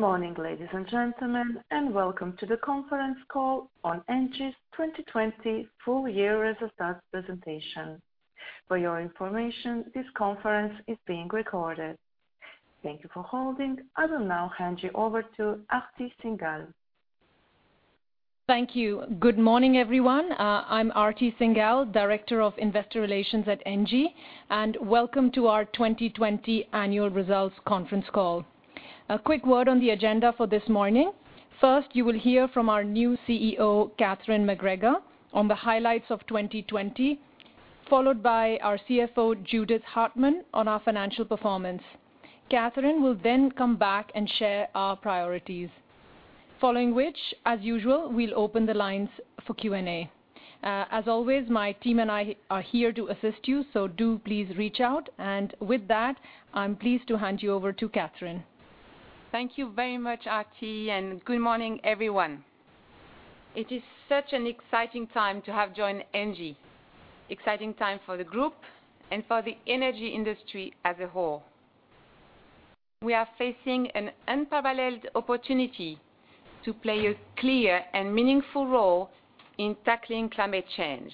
Good morning, ladies and gentlemen, and welcome to the conference call on ENGIE's 2020 full-year results presentation. For your information, this conference is being recorded. Thank you for holding. I will now hand you over to Aarti Singhal. Thank you. Good morning, everyone. I'm Aarti Singhal, Director of Investor Relations at ENGIE, and welcome to our 2020 Annual Results Conference Call. A quick word on the agenda for this morning. First, you will hear from our new CEO, Catherine MacGregor, on the highlights of 2020, followed by our CFO, Judith Hartmann, on our financial performance. Catherine will then come back and share our priorities, following which, as usual, we'll open the lines for Q&A. As always, my team and I are here to assist you, so do please reach out. And with that, I'm pleased to hand you over to Catherine. Thank you very much, Aarti, and good morning, everyone. It is such an exciting time to have joined ENGIE, an exciting time for the group and for the energy industry as a whole. We are facing an unparalleled opportunity to play a clear and meaningful role in tackling climate change.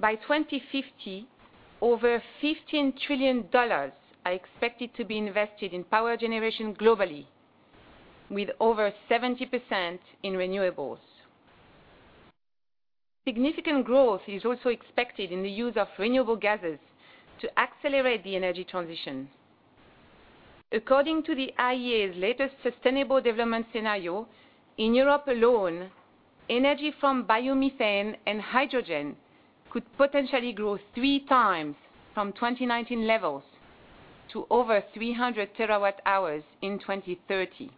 By 2050, over $15 trillion are expected to be invested in power generation globally, with over 70% in Renewables. Significant growth is also expected in the use of renewable gases to accelerate the energy transition. According to the IEA's latest Sustainable Development Scenario, in Europe alone, energy from biomethane and hydrogen could potentially grow three times from 2019 levels to over 300 TWh in 2030.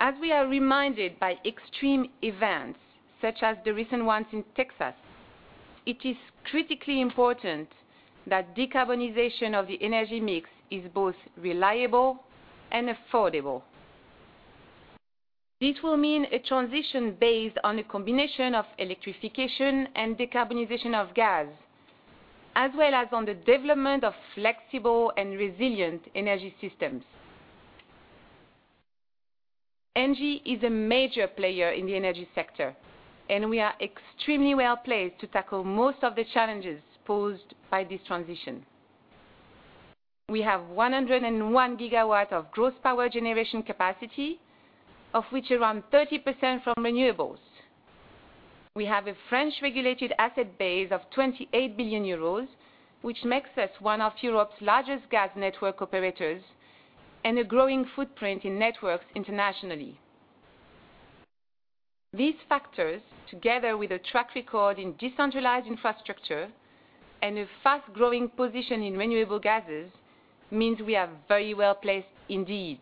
As we are reminded by extreme events, such as the recent ones in Texas, it is critically important that decarbonization of the energy mix is both reliable and affordable. This will mean a transition based on a combination of electrification and decarbonization of gas, as well as on the development of flexible and resilient energy systems. ENGIE is a major player in the energy sector, and we are extremely well placed to tackle most of the challenges posed by this transition. We have 101 GW of gross power generation capacity, of which around 30% from Renewables. We have a French-regulated asset base of €28 billion, which makes us one of Europe's largest gas network operators and a growing footprint in Networks internationally. These factors, together with a track record in decentralized infrastructure and a fast-growing position in renewable gases, mean we are very well placed indeed.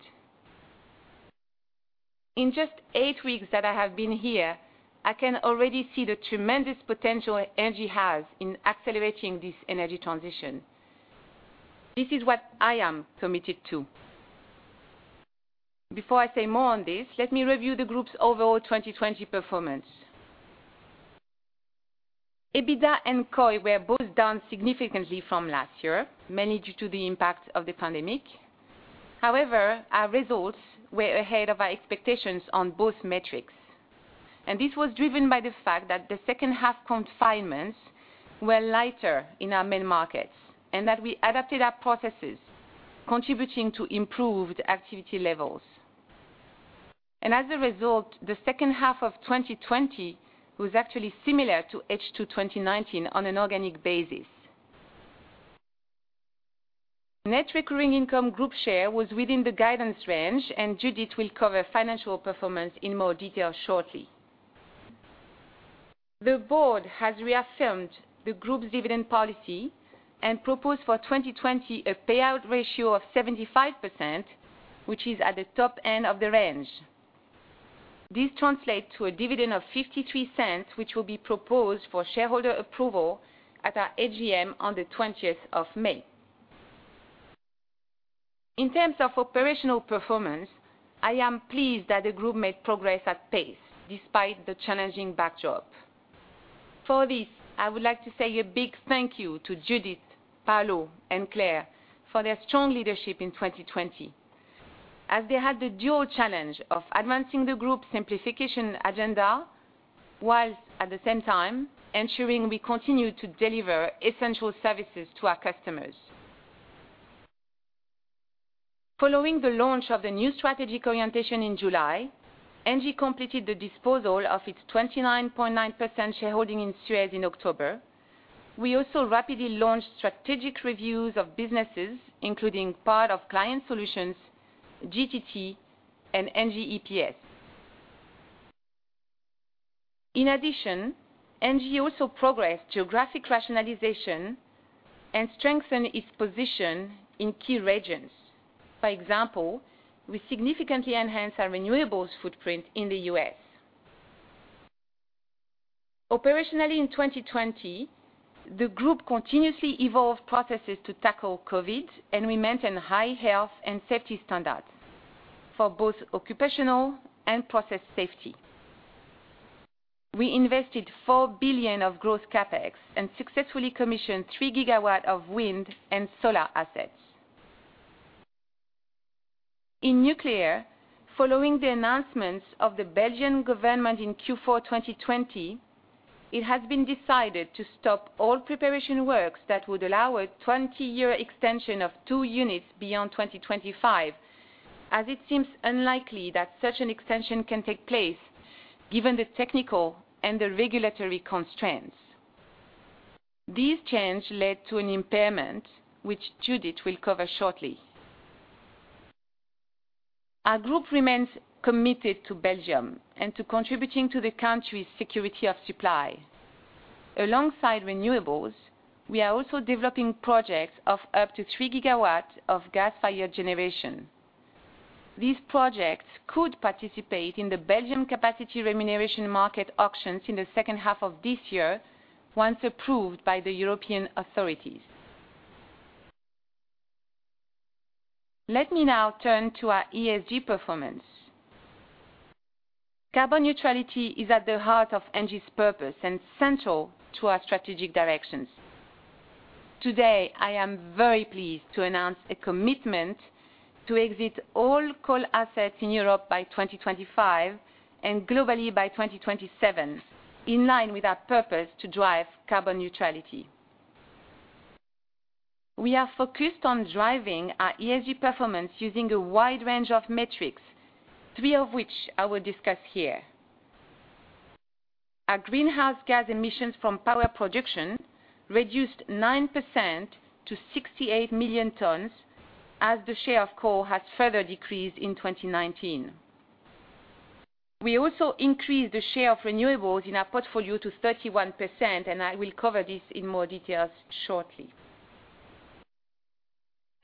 In just eight weeks that I have been here, I can already see the tremendous potential ENGIE has in accelerating this energy transition. This is what I am committed to. Before I say more on this, let me review the group's overall 2020 performance. EBITDA and COI were both down significantly from last year, mainly due to the impact of the pandemic. However, our results were ahead of our expectations on both metrics, and this was driven by the fact that the second-half confinements were lighter in our main markets and that we adapted our processes, contributing to improved activity levels, and as a result, the second half of 2020 was actually similar to H2 2019 on an organic basis. Net Recurring Income Group Share was within the guidance range, and Judith will cover financial performance in more detail shortly. The board has reaffirmed the group's dividend policy and proposed for 2020 a payout ratio of 75%, which is at the top end of the range. This translates to a dividend of 0.53, which will be proposed for shareholder approval at our AGM on the 20th of May. In terms of operational performance, I am pleased that the group made progress at pace despite the challenging backdrop. For this, I would like to say a big thank you to Judith, Paulo, and Claire for their strong leadership in 2020, as they had the dual challenge of advancing the group's simplification agenda while, at the same time, ensuring we continue to deliver essential services to our customers. Following the launch of the new strategic orientation in July, ENGIE completed the disposal of its 29.9% shareholding in SUEZ in October. We also rapidly launched strategic reviews of businesses, including part of Client Solutions, GTT, and ENGIE EPS. In addition, ENGIE also progressed geographic rationalization and strengthened its position in key regions. For example, we significantly enhanced our Renewables footprint in the U.S.. Operationally, in 2020, the group continuously evolved processes to tackle COVID, and we maintained high health and safety standards for both occupational and process safety. We invested 4 billion of gross CapEx and successfully commissioned 3 GW of Wind and Solar assets. In Nuclear, following the announcements of the Belgian government in Q4 2020, it has been decided to stop all preparation works that would allow a 20-year extension of two units beyond 2025, as it seems unlikely that such an extension can take place given the technical and regulatory constraints. This change led to an impairment, which Judith will cover shortly. Our group remains committed to Belgium and to contributing to the country's security of supply. Alongside Renewables, we are also developing projects of up to 3 GW of gas-fired generation. These projects could participate in the Belgian capacity remuneration market auctions in the second half of this year, once approved by the European authorities. Let me now turn to our ESG performance. Carbon neutrality is at the heart of ENGIE's purpose and central to our strategic directions. Today, I am very pleased to announce a commitment to exit all coal assets in Europe by 2025 and globally by 2027, in line with our purpose to drive carbon neutrality. We are focused on driving our ESG performance using a wide range of metrics, three of which I will discuss here. Our greenhouse gas emissions from power production reduced 9% to 68 million tons, as the share of coal has further decreased in 2019. We also increased the share of Renewables in our portfolio to 31%, and I will cover this in more detail shortly.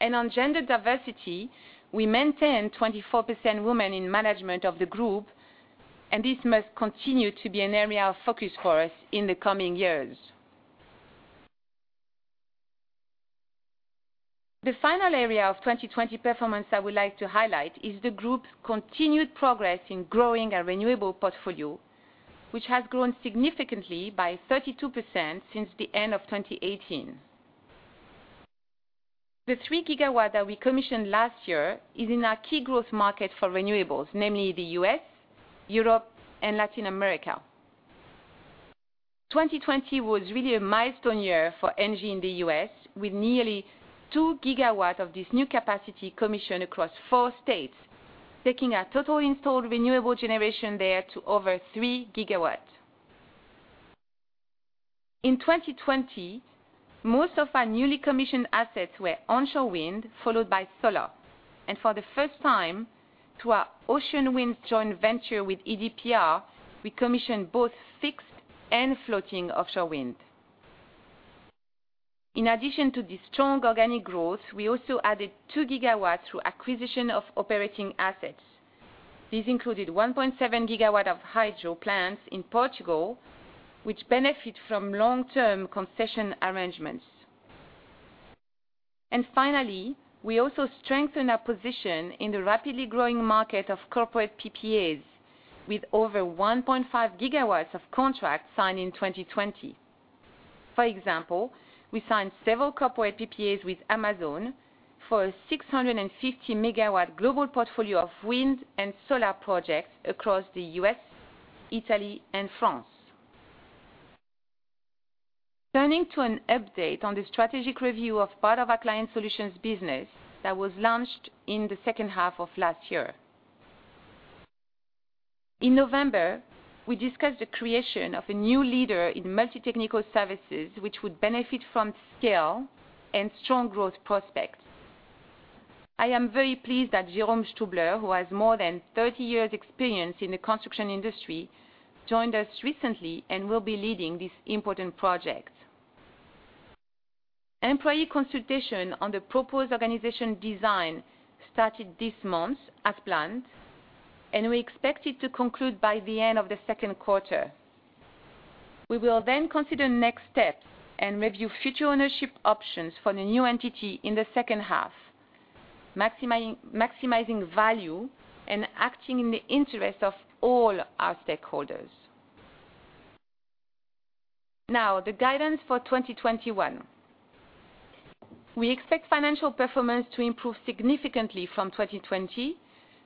On gender diversity, we maintain 24% women in management of the group, and this must continue to be an area of focus for us in the coming years. The final area of 2020 performance I would like to highlight is the group's continued progress in growing our renewable portfolio, which has grown significantly by 32% since the end of 2018. The 3 GW that we commissioned last year is in our key growth market for Renewables, namely the U.S., Europe, and Latin America. 2020 was really a milestone year for ENGIE in the U.S., with nearly 2 GW of this new capacity commissioned across four states, taking our total installed renewable generation there to over 3 GW. In 2020, most of our newly commissioned assets were onshore wind, followed by Solar. For the first time, through our Ocean Winds joint venture with EDPR, we commissioned both fixed and floating offshore wind. In addition to this strong organic growth, we also added 2 GW through acquisition of operating assets. These included 1.7 GW of Hydro plants in Portugal, which benefit from long-term concession arrangements. Finally, we also strengthened our position in the rapidly growing market of corporate PPAs, with over 1.5 GW of contracts signed in 2020. For example, we signed several corporate PPAs with Amazon for a 650 MW global portfolio of Wind and Solar projects across the U.S., Italy, and France. Turning to an update on the strategic review of part of our Client Solutions business that was launched in the second half of last year. In November, we discussed the creation of a new leader in multi-technical services, which would benefit from scale and strong growth prospects. I am very pleased that Jérôme Stubler, who has more than 30 years' experience in the construction industry, joined us recently and will be leading this important project. Employee consultation on the proposed organization design started this month, as planned, and we expect it to conclude by the end of the second quarter. We will then consider next steps and review future ownership options for the new entity in the second half, maximizing value and acting in the interest of all our stakeholders. Now, the guidance for 2021. We expect financial performance to improve significantly from 2020,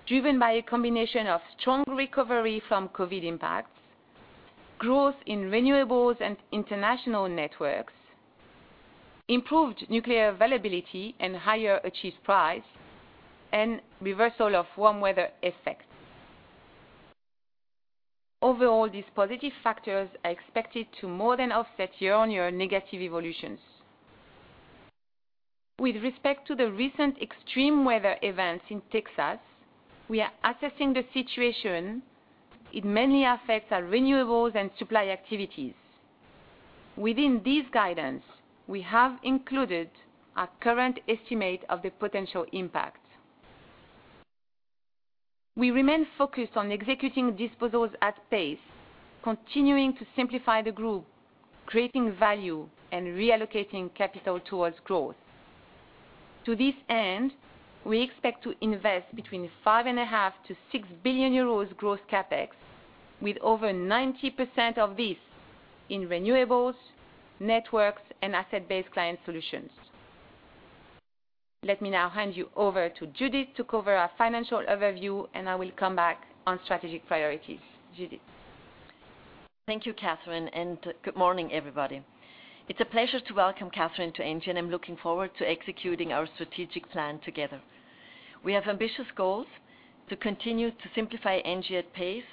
driven by a combination of strong recovery from COVID impacts, growth in Renewables and international Networks, improved Nuclear availability and higher achieved price, and reversal of warm weather effects. Overall, these positive factors are expected to more than offset year-on-year negative evolutions. With respect to the recent extreme weather events in Texas, we are assessing the situation. It mainly affects our Renewables and Supply activities. Within this guidance, we have included our current estimate of the potential impact. We remain focused on executing disposals at pace, continuing to simplify the group, creating value, and reallocating capital towards growth. To this end, we expect to invest between 5.5 billion-6 billion euros gross CapEx, with over 90% of this in Renewables, Networks, and Asset-based Client Solutions. Let me now hand you over to Judith to cover our financial overview, and I will come back on strategic priorities. Judith. Thank you, Catherine, and good morning, everybody. It's a pleasure to welcome Catherine to ENGIE, and I'm looking forward to executing our strategic plan together. We have ambitious goals to continue to simplify ENGIE at pace,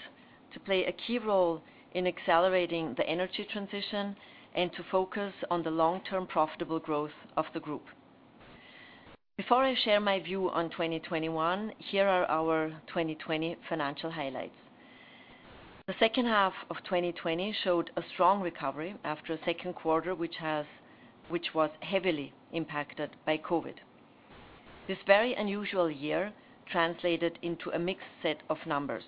to play a key role in accelerating the energy transition, and to focus on the long-term profitable growth of the group. Before I share my view on 2021, here are our 2020 financial highlights. The second half of 2020 showed a strong recovery after a second quarter, which was heavily impacted by COVID. This very unusual year translated into a mixed set of numbers.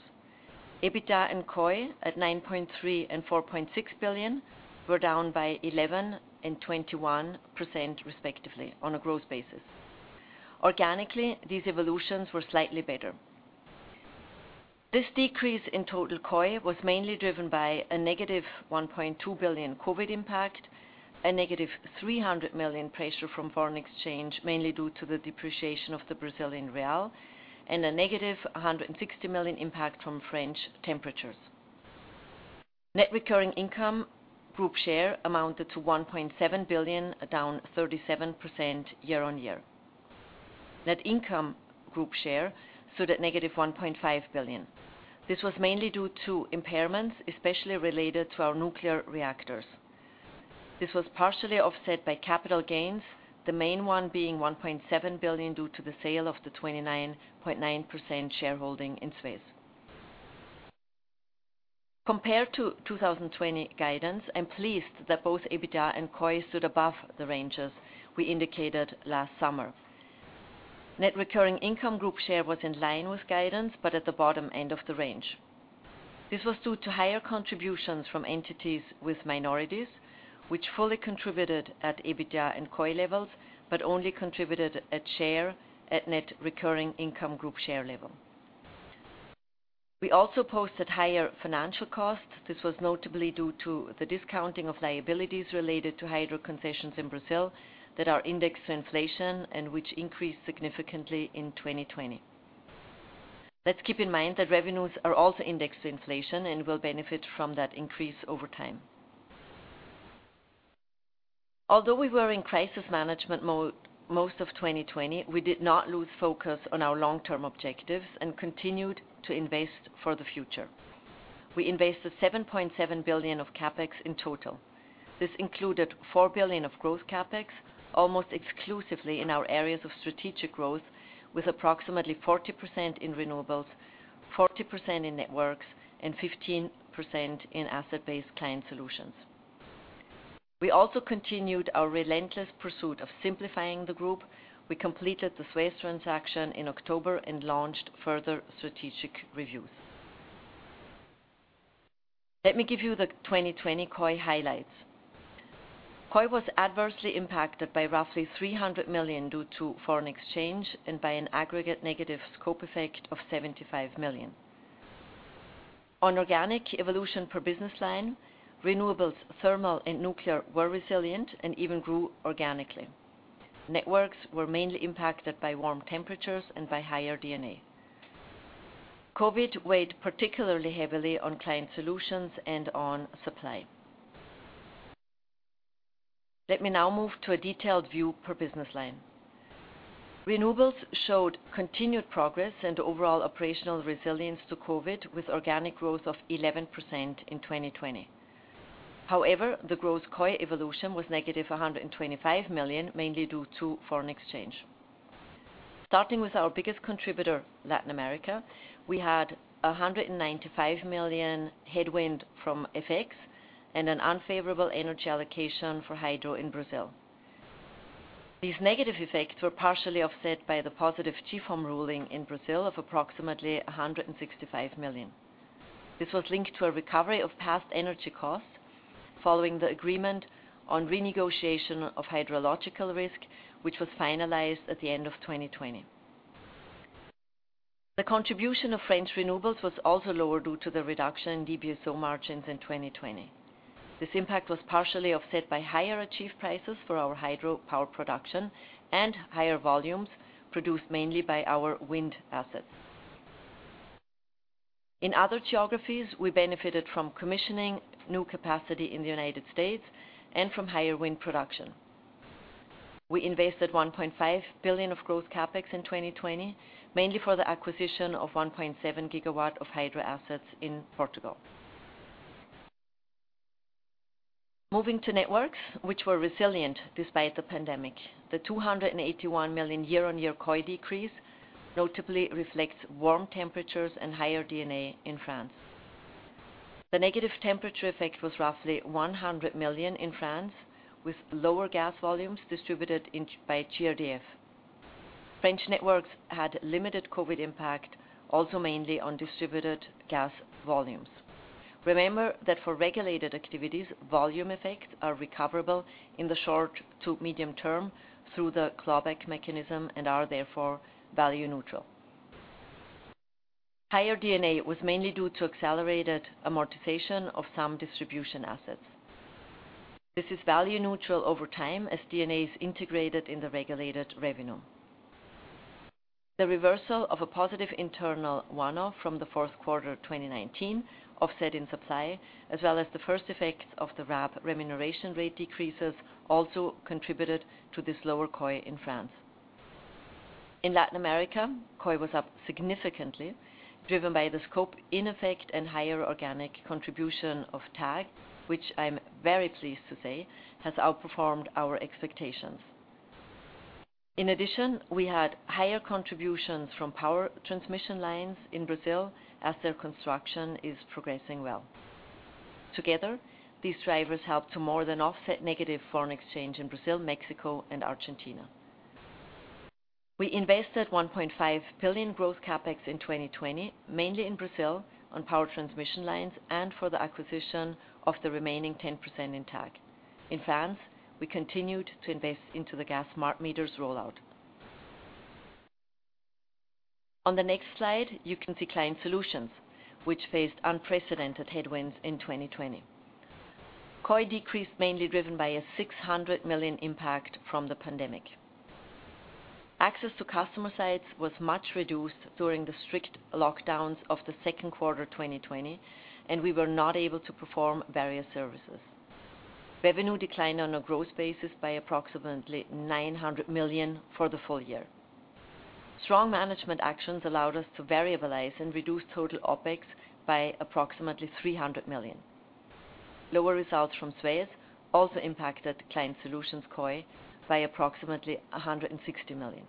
EBITDA and COI at 9.3 billion and 4.6 billion were down by 11% and 21%, respectively, on a gross basis. Organically, these evolutions were slightly better. This decrease in total COI was mainly driven by a negative 1.2 billion COVID impact, a negative 300 million pressure from foreign exchange, mainly due to the depreciation of the Brazilian real, and a negative 160 million impact from French temperatures. Net Recurring Income Group Share amounted to 1.7 billion, down 37% year-on-year. Net Income Group Share stood at negative 1.5 billion. This was mainly due to impairments, especially related to our nuclear reactors. This was partially offset by capital gains, the main one being 1.7 billion due to the sale of the 29.9% shareholding in SUEZ. Compared to 2020 guidance, I'm pleased that both EBITDA and COI stood above the ranges we indicated last summer. Net Recurring Income Group Share was in line with guidance, but at the bottom end of the range. This was due to higher contributions from entities with minorities, which fully contributed at EBITDA and COI levels, but only contributed at share at Net Recurring Income Group Share level. We also posted higher financial costs. This was notably due to the discounting of liabilities related to Hydro concessions in Brazil that are indexed to inflation and which increased significantly in 2020. Let's keep in mind that revenues are also indexed to inflation and will benefit from that increase over time. Although we were in crisis management mode most of 2020, we did not lose focus on our long-term objectives and continued to invest for the future. We invested 7.7 billion of CapEx in total. This included 4 billion of gross CapEx, almost exclusively in our areas of strategic growth, with approximately 40% in Renewables, 40% in Networks, and 15% in Asset-based Client Solutions. We also continued our relentless pursuit of simplifying the group. We completed the SUEZ transaction in October and launched further strategic reviews. Let me give you the 2020 COI highlights. COI was adversely impacted by roughly 300 million due to foreign exchange and by an aggregate negative scope effect of 75 million. On organic evolution per business line, Renewables, Thermal, and Nuclear were resilient and even grew organically. Networks were mainly impacted by warm temperatures and by higher D&A. COVID weighed particularly heavily on Client Solutions and on supply. Let me now move to a detailed view per business line. Renewables showed continued progress and overall operational resilience to COVID, with organic growth of 11% in 2020. However, the gross COI evolution was negative 125 million, mainly due to foreign exchange. Starting with our biggest contributor, Latin America, we had 195 million headwind from FX and an unfavorable energy allocation for Hydro in Brazil. These negative effects were partially offset by the positive GSF ruling in Brazil of approximately 165 million. This was linked to a recovery of past energy costs following the agreement on renegotiation of hydrological risk, which was finalized at the end of 2020. The contribution of French Renewables was also lower due to the reduction in DBSO margins in 2020. This impact was partially offset by higher achieved prices for our Hydro power production and higher volumes produced mainly by our Wind assets. In other geographies, we benefited from commissioning new capacity in the United States and from higher wind production. We invested 1.5 billion of gross CapEx in 2020, mainly for the acquisition of 1.7 GW of Hydro assets in Portugal. Moving to Networks, which were resilient despite the pandemic. The 281 million year-on-year COI decrease notably reflects warm temperatures and higher D&A in France. The negative temperature effect was roughly 100 million in France, with lower gas volumes distributed by GRDF. French networks had limited COVID impact, also mainly on distributed gas volumes. Remember that for regulated activities, volume effects are recoverable in the short to medium term through the clawback mechanism and are therefore value neutral. Higher D&A was mainly due to accelerated amortization of some distribution assets. This is value neutral over time as D&A is integrated in the regulated revenue. The reversal of a positive internal one-off from the fourth quarter 2019 offset in supply, as well as the first effects of the RAB remuneration rate decreases, also contributed to this lower COI in France. In Latin America, COI was up significantly, driven by the scope in effect and higher organic contribution of TAG, which I'm very pleased to say has outperformed our expectations. In addition, we had higher contributions from power transmission lines in Brazil as their construction is progressing well. Together, these drivers helped to more than offset negative foreign exchange in Brazil, Mexico, and Argentina. We invested 1.5 billion gross CapEx in 2020, mainly in Brazil on power transmission lines and for the acquisition of the remaining 10% in TAG. In France, we continued to invest into the gas smart meters rollout. On the next slide, you can see Client Solutions, which faced unprecedented headwinds in 2020. COI decreased mainly driven by a 600 million impact from the pandemic. Access to customer sites was much reduced during the strict lockdowns of the second quarter 2020, and we were not able to perform various services. Revenue declined on a gross basis by approximately 900 million for the full year. Strong management actions allowed us to variabilize and reduce total OpEx by approximately 300 million. Lower results from SUEZ also impacted Client Solutions COI by approximately 160 million.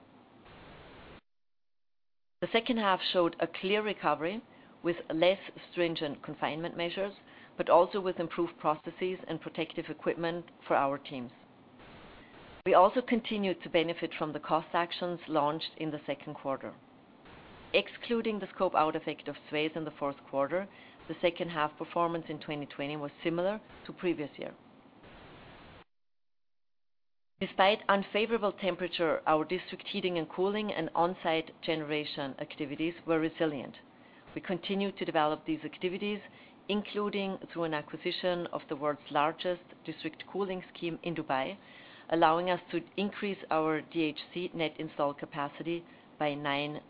The second half showed a clear recovery with less stringent confinement measures, but also with improved processes and protective equipment for our teams. We also continued to benefit from the cost actions launched in the second quarter. Excluding the scope-out effect of SUEZ in the fourth quarter, the second half performance in 2020 was similar to previous year. Despite unfavorable temperature, our district heating and cooling and on-site generation activities were resilient. We continued to develop these activities, including through an acquisition of the world's largest district cooling scheme in Dubai, allowing us to increase our DHC net install capacity by 9%.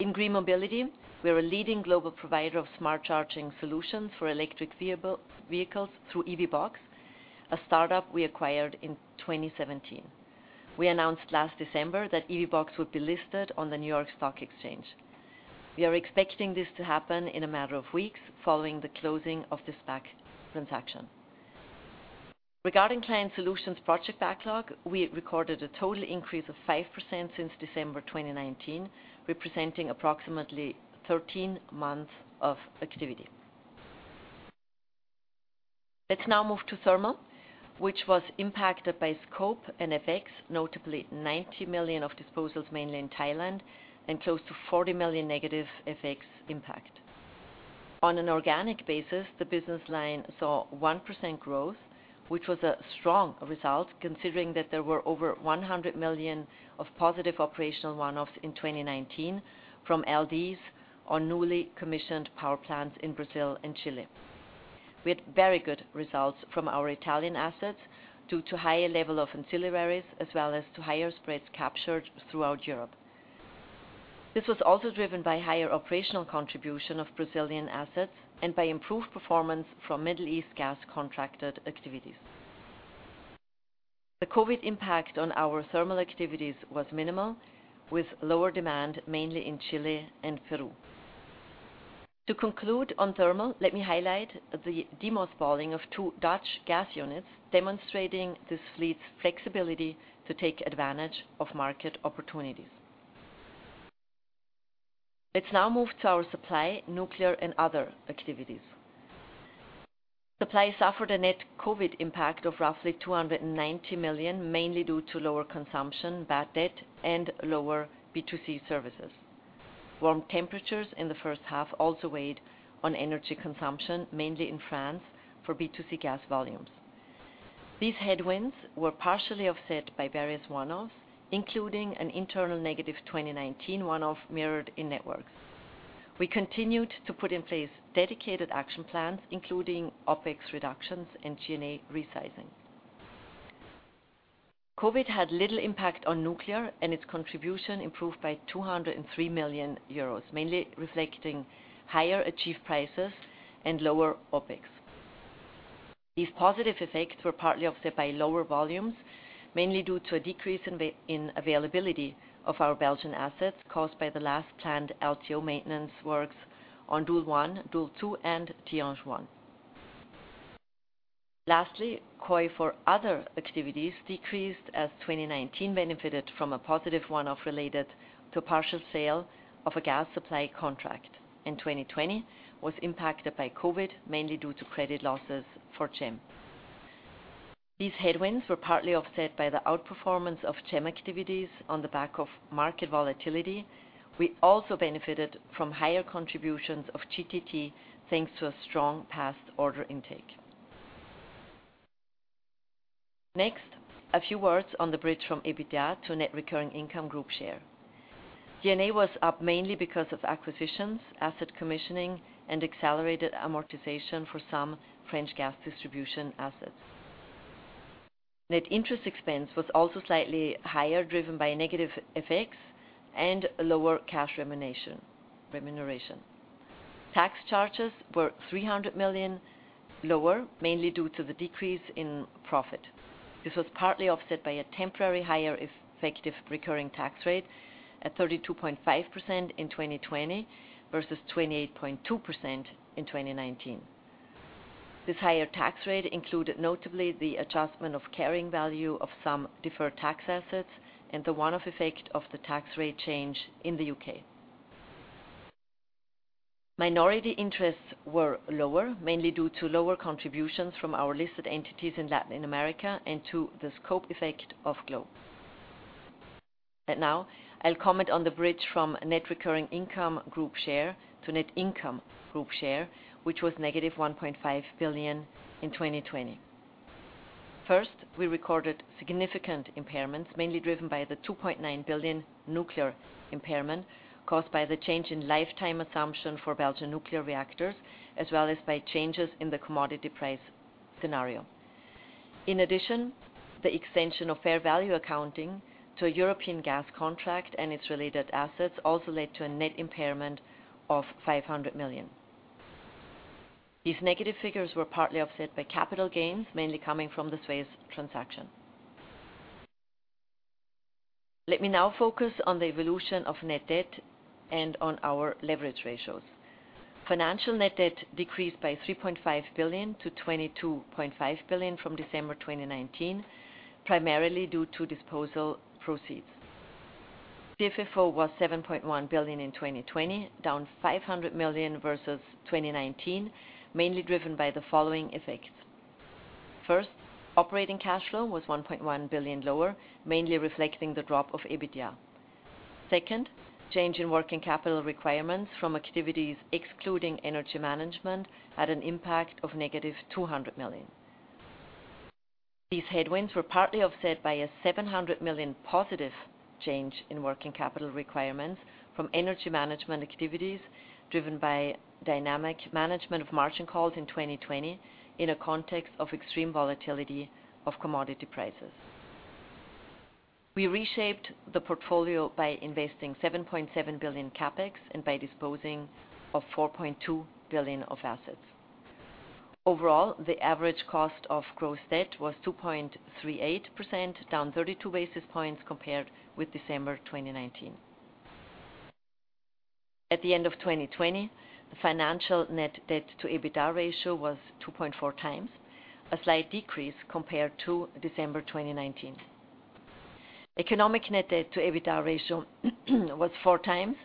In green mobility, we are a leading global provider of smart charging solutions for electric vehicles through EVBox, a startup we acquired in 2017. We announced last December that EVBox would be listed on the New York Stock Exchange. We are expecting this to happen in a matter of weeks following the closing of this back transaction. Regarding Client Solutions project backlog, we recorded a total increase of 5% since December 2019, representing approximately 13 months of activity. Let's now move to Thermal, which was impacted by scope and FX, notably 90 million of disposals, mainly in Thailand, and close to 40 million negative FX impact. On an organic basis, the business line saw 1% growth, which was a strong result considering that there were over 100 million of positive operational one-offs in 2019 from LDs on newly commissioned power plants in Brazil and Chile. We had very good results from our Italian assets due to higher level of ancillaries, as well as to higher spreads captured throughout Europe. This was also driven by higher operational contribution of Brazilian assets and by improved performance from Middle East gas contracted activities. The COVID impact on our Thermal activities was minimal, with lower demand mainly in Chile and Peru. To conclude on Thermal, let me highlight the de-mothballing of two Dutch gas units demonstrating this fleet's flexibility to take advantage of market opportunities. Let's now move to our Supply, Nuclear, and other activities. Supply suffered a net COVID impact of roughly 290 million, mainly due to lower consumption, bad debt, and lower B2C services. Warm temperatures in the first half also weighed on energy consumption, mainly in France for B2C gas volumes. These headwinds were partially offset by various one-offs, including an internal negative 2019 one-off mirrored in Networks. We continued to put in place dedicated action plans, including OpEx reductions and G&A resizing. COVID had little impact on Nuclear, and its contribution improved by 203 million euros, mainly reflecting higher achieved prices and lower OpEx. These positive effects were partly offset by lower volumes, mainly due to a decrease in availability of our Belgian assets caused by the last planned LTO maintenance works on Doel 1, Doel 2, and Tihange 1. Lastly, COI for other activities decreased as 2019 benefited from a positive one-off related to partial sale of a gas supply contract in 2020, which was impacted by COVID, mainly due to credit losses for GEM. These headwinds were partly offset by the outperformance of GEM activities on the back of market volatility. We also benefited from higher contributions of GTT, thanks to a strong past order intake. Next, a few words on the bridge from EBITDA to net recurring income group share. D&A was up mainly because of acquisitions, asset commissioning, and accelerated amortization for some French gas distribution assets. Net interest expense was also slightly higher, driven by negative FX and lower cash remuneration. Tax charges were 300 million lower, mainly due to the decrease in profit. This was partly offset by a temporary higher effective recurring tax rate at 32.5% in 2020 versus 28.2% in 2019. This higher tax rate included notably the adjustment of carrying value of some deferred tax assets and the one-off effect of the tax rate change in the U.K. Minority interests were lower, mainly due to lower contributions from our listed entities in Latin America and to the scope effect of Glow. Now, I'll comment on the bridge from Net Recurring Income Group Share to Net Income Group Share, which was negative 1.5 billion in 2020. First, we recorded significant impairments, mainly driven by the 2.9 billion Nuclear impairment caused by the change in lifetime assumption for Belgian nuclear reactors, as well as by changes in the commodity price scenario. In addition, the extension of fair value accounting to a European gas contract and its related assets also led to a net impairment of 500 million. These negative figures were partly offset by capital gains, mainly coming from the SUEZ transaction. Let me now focus on the evolution of net debt and on our leverage ratios. Financial net debt decreased by 3.5 billion to 22.5 billion from December 2019, primarily due to disposal proceeds. CFFO was 7.1 billion in 2020, down 500 million versus 2019, mainly driven by the following effects. First, operating cash flow was 1.1 billion lower, mainly reflecting the drop of EBITDA. Second, change in working capital requirements from activities excluding energy management had an impact of negative 200 million. These headwinds were partly offset by a 700 million positive change in working capital requirements from energy management activities driven by dynamic management of margin calls in 2020 in a context of extreme volatility of commodity prices. We reshaped the portfolio by investing 7.7 billion CapEx and by disposing of 4.2 billion of assets. Overall, the average cost of gross debt was 2.38%, down 32 basis points compared with December 2019. At the end of 2020, the financial net debt to EBITDA ratio was 2.4x, a slight decrease compared to December 2019. Economic net debt to EBITDA ratio was four times,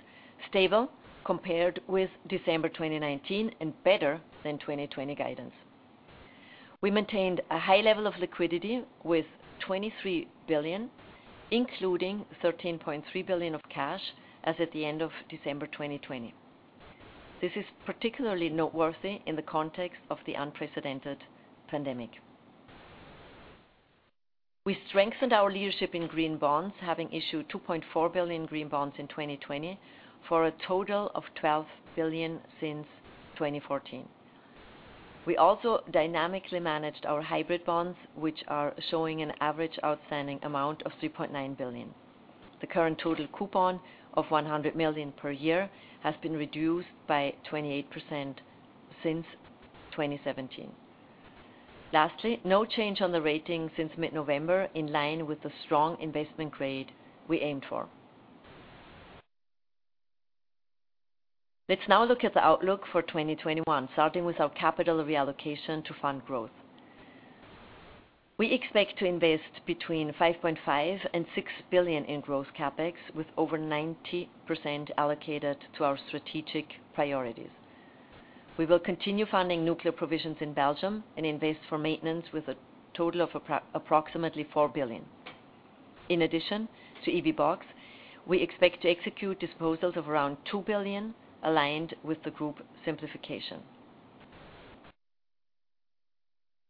stable compared with December 2019 and better than 2020 guidance. We maintained a high level of liquidity with 23 billion, including 13.3 billion of cash as at the end of December 2020. This is particularly noteworthy in the context of the unprecedented pandemic. We strengthened our leadership in green bonds, having issued 2.4 billion green bonds in 2020 for a total of 12 billion since 2014. We also dynamically managed our hybrid bonds, which are showing an average outstanding amount of 3.9 billion. The current total coupon of 100 million per year has been reduced by 28% since 2017. Lastly, no change on the rating since mid-November, in line with the strong investment grade we aimed for. Let's now look at the outlook for 2021, starting with our capital reallocation to fund growth. We expect to invest between 5.5 billion and 6 billion in gross CapEx, with over 90% allocated to our strategic priorities. We will continue funding nuclear provisions in Belgium and invest for maintenance with a total of approximately 4 billion. In addition to EVBox, we expect to execute disposals of around 2 billion aligned with the group simplification.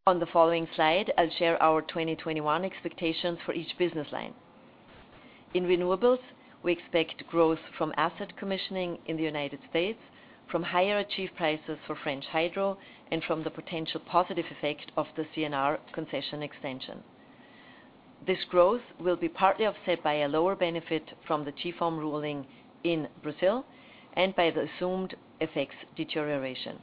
On the following slide, I'll share our 2021 expectations for each business line. In Renewables, we expect growth from asset commissioning in the United States, from higher achieved prices for French Hydro, and from the potential positive effect of the CNR concession extension. This growth will be partly offset by a lower benefit from the GFOM ruling in Brazil and by the assumed FX deterioration.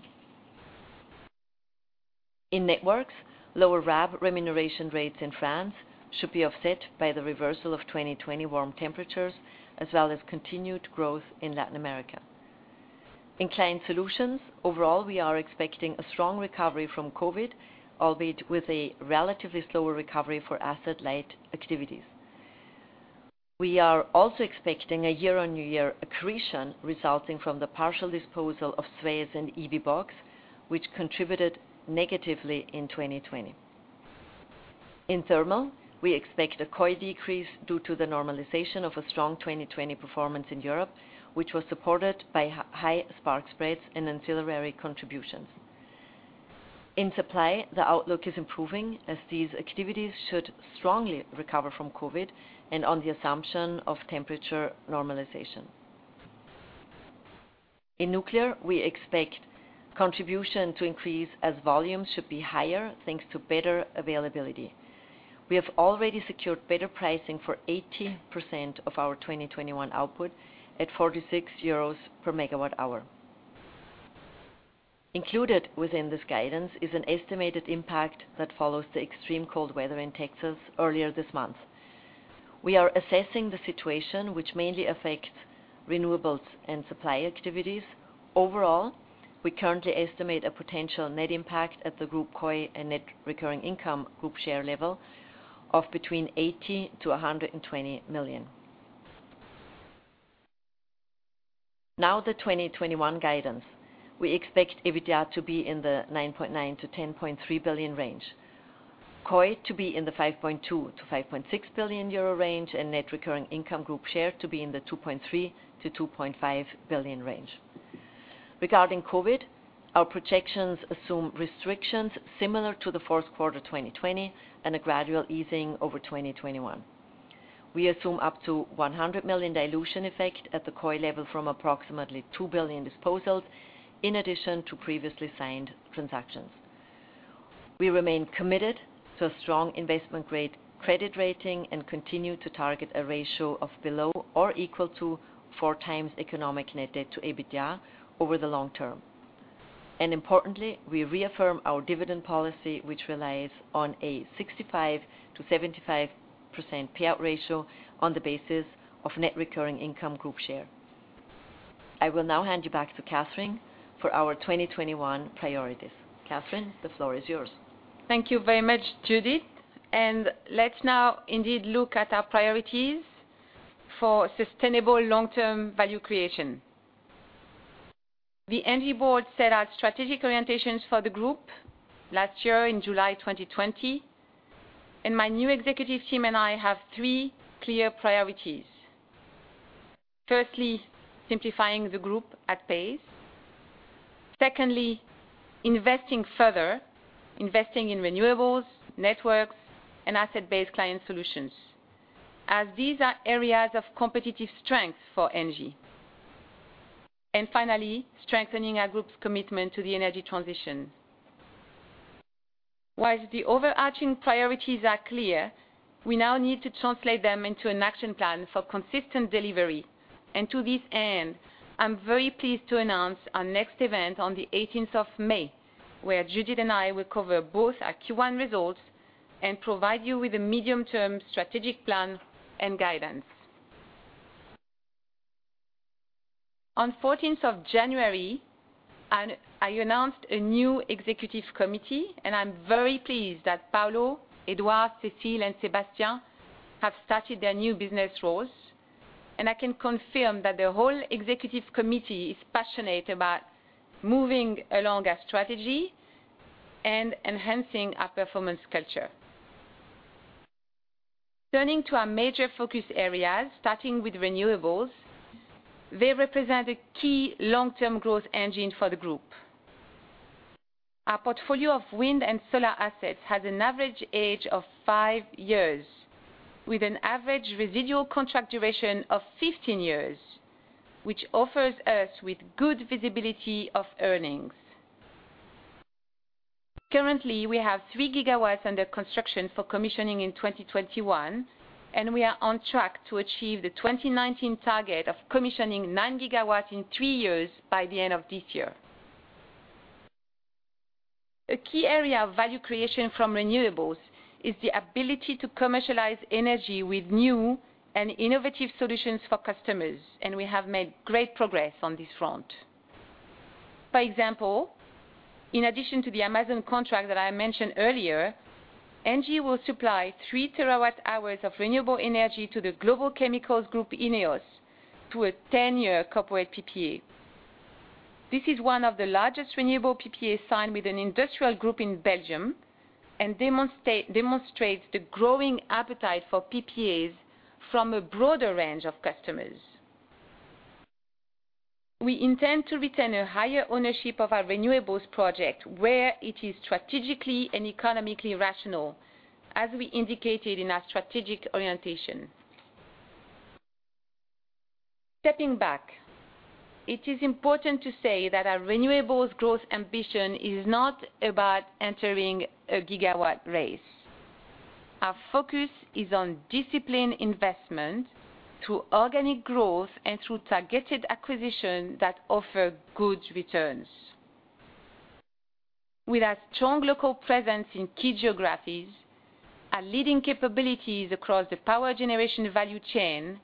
In Networks, lower RAB remuneration rates in France should be offset by the reversal of 2020 warm temperatures, as well as continued growth in Latin America. In Client Solutions, overall, we are expecting a strong recovery from COVID, albeit with a relatively slower recovery for asset-light activities. We are also expecting a year-on-year accretion resulting from the partial disposal of SUEZ and EVBox, which contributed negatively in 2020. In Thermal, we expect a COI decrease due to the normalization of a strong 2020 performance in Europe, which was supported by high spark spreads and ancillary contributions. In supply, the outlook is improving as these activities should strongly recover from COVID and on the assumption of temperature normalization. In Nuclear, we expect contribution to increase as volumes should be higher, thanks to better availability. We have already secured better pricing for 80% of our 2021 output at 46 euros per MWh. Included within this guidance is an estimated impact that follows the extreme cold weather in Texas earlier this month. We are assessing the situation, which mainly affects Renewables and Supply activities. Overall, we currently estimate a potential net impact at the group COI and net recurring income group share level of between 80 million-120 million. Now, the 2021 guidance. We expect EBITDA to be in the 9.9 billion-10.3 billion range, COI to be in the 5.2 billion-5.6 billion euro range, and Net Recurring Income Group Share to be in the 2.3 billion-2.5 billion range. Regarding COVID, our projections assume restrictions similar to the fourth quarter 2020 and a gradual easing over 2021. We assume up to 100 million dilution effect at the COI level from approximately 2 billion disposals, in addition to previously signed transactions. We remain committed to a strong investment grade credit rating and continue to target a ratio of below or equal to four times economic net debt to EBITDA over the long term. Importantly, we reaffirm our dividend policy, which relies on a 65%-75% payout ratio on the basis of Net Recurring Income Group Share. I will now hand you back to Catherine for our 2021 priorities. Catherine, the floor is yours. Thank you very much, Judith. Let's now indeed look at our priorities for sustainable long-term value creation. The Executive Board set out strategic orientations for the group last year in July 2020. My new executive team and I have three clear priorities. Firstly, simplifying the group at pace. Secondly, investing further, investing in Renewables, Networks, and Asset-based Client Solutions, as these are areas of competitive strength for ENGIE. Finally, strengthening our group's commitment to the energy transition. While the overarching priorities are clear, we now need to translate them into an action plan for consistent delivery. To this end, I'm very pleased to announce our next event on the 18th of May, where Judith and I will cover both our Q1 results and provide you with a medium-term strategic plan and guidance. On 14th of January, I announced a new executive committee, and I'm very pleased that Paulo, Edouard, Cécile, and Sébastien have started their new business roles. I can confirm that the whole executive committee is passionate about moving along our strategy and enhancing our performance culture. Turning to our major focus areas, starting with Renewables, they represent a key long-term growth engine for the group. Our portfolio of Wind and Solar assets has an average age of five years, with an average residual contract duration of 15 years, which offers us good visibility of earnings. Currently, we have 3 GW under construction for commissioning in 2021, and we are on track to achieve the 2019 target of commissioning 9 GW in three years by the end of this year. A key area of value creation from Renewables is the ability to commercialize energy with new and innovative solutions for customers, and we have made great progress on this front. For example, in addition to the Amazon contract that I mentioned earlier, ENGIE will supply 3 TWh of renewable energy to the global chemicals group INEOS through a 10-year corporate PPA. This is one of the largest renewable PPAs signed with an industrial group in Belgium and demonstrates the growing appetite for PPAs from a broader range of customers. We intend to retain a higher ownership of our Renewables project where it is strategically and economically rational, as we indicated in our strategic orientation. Stepping back, it is important to say that our Renewables growth ambition is not about entering a gigawatt race. Our focus is on disciplined investment through organic growth and through targeted acquisition that offers good returns. With our strong local presence in key geographies, our leading capabilities across the power generation value chain,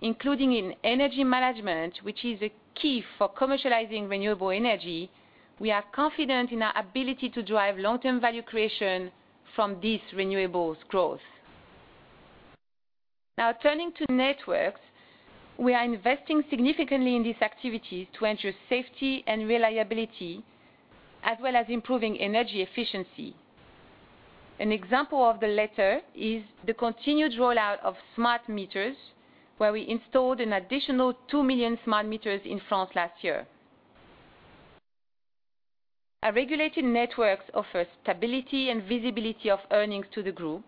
including in energy management, which is a key for commercializing renewable energy, we are confident in our ability to drive long-term value creation from this Renewables growth. Now, turning to Networks, we are investing significantly in these activities to ensure safety and reliability, as well as improving energy efficiency. An example of the latter is the continued rollout of smart meters, where we installed an additional 2 million smart meters in France last year. Our regulated networks offer stability and visibility of earnings to the group,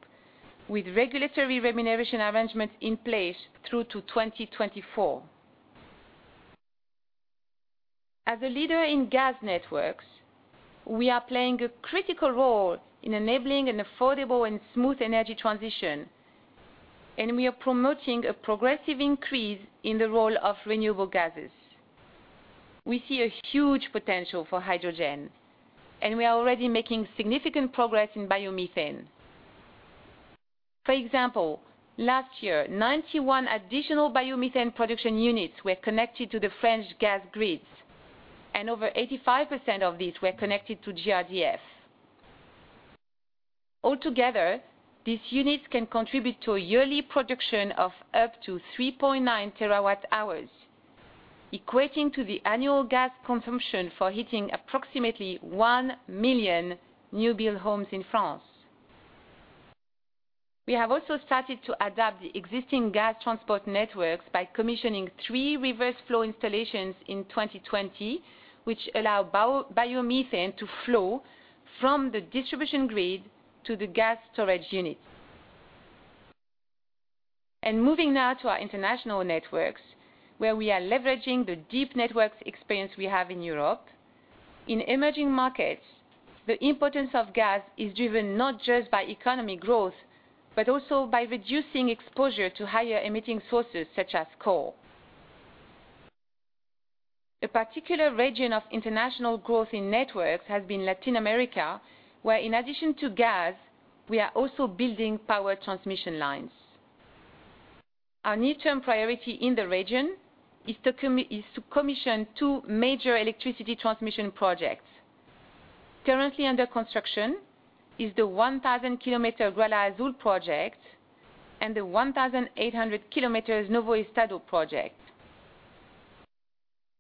with regulatory remuneration arrangements in place through to 2024. As a leader in gas networks, we are playing a critical role in enabling an affordable and smooth energy transition, and we are promoting a progressive increase in the role of renewable gases. We see a huge potential for hydrogen, and we are already making significant progress in biomethane. For example, last year, 91 additional biomethane production units were connected to the French gas grids, and over 85% of these were connected to GRDF. Altogether, these units can contribute to a yearly production of up to 3.9 TWh, equating to the annual gas consumption for heating approximately 1 million new build homes in France. We have also started to adapt the existing gas transport networks by commissioning three reverse flow installations in 2020, which allow biomethane to flow from the distribution grid to the gas storage unit. Moving now to our international Networks, where we are leveraging the deep networks experience we have in Europe. In emerging markets, the importance of gas is driven not just by economic growth, but also by reducing exposure to higher emitting sources such as coal. A particular region of international growth in Networks has been Latin America, where, in addition to gas, we are also building power transmission lines. Our near-term priority in the region is to commission two major electricity transmission projects. Currently under construction is the 1,000 km Gralha Azul project and the 1,800 km Novo Estado project.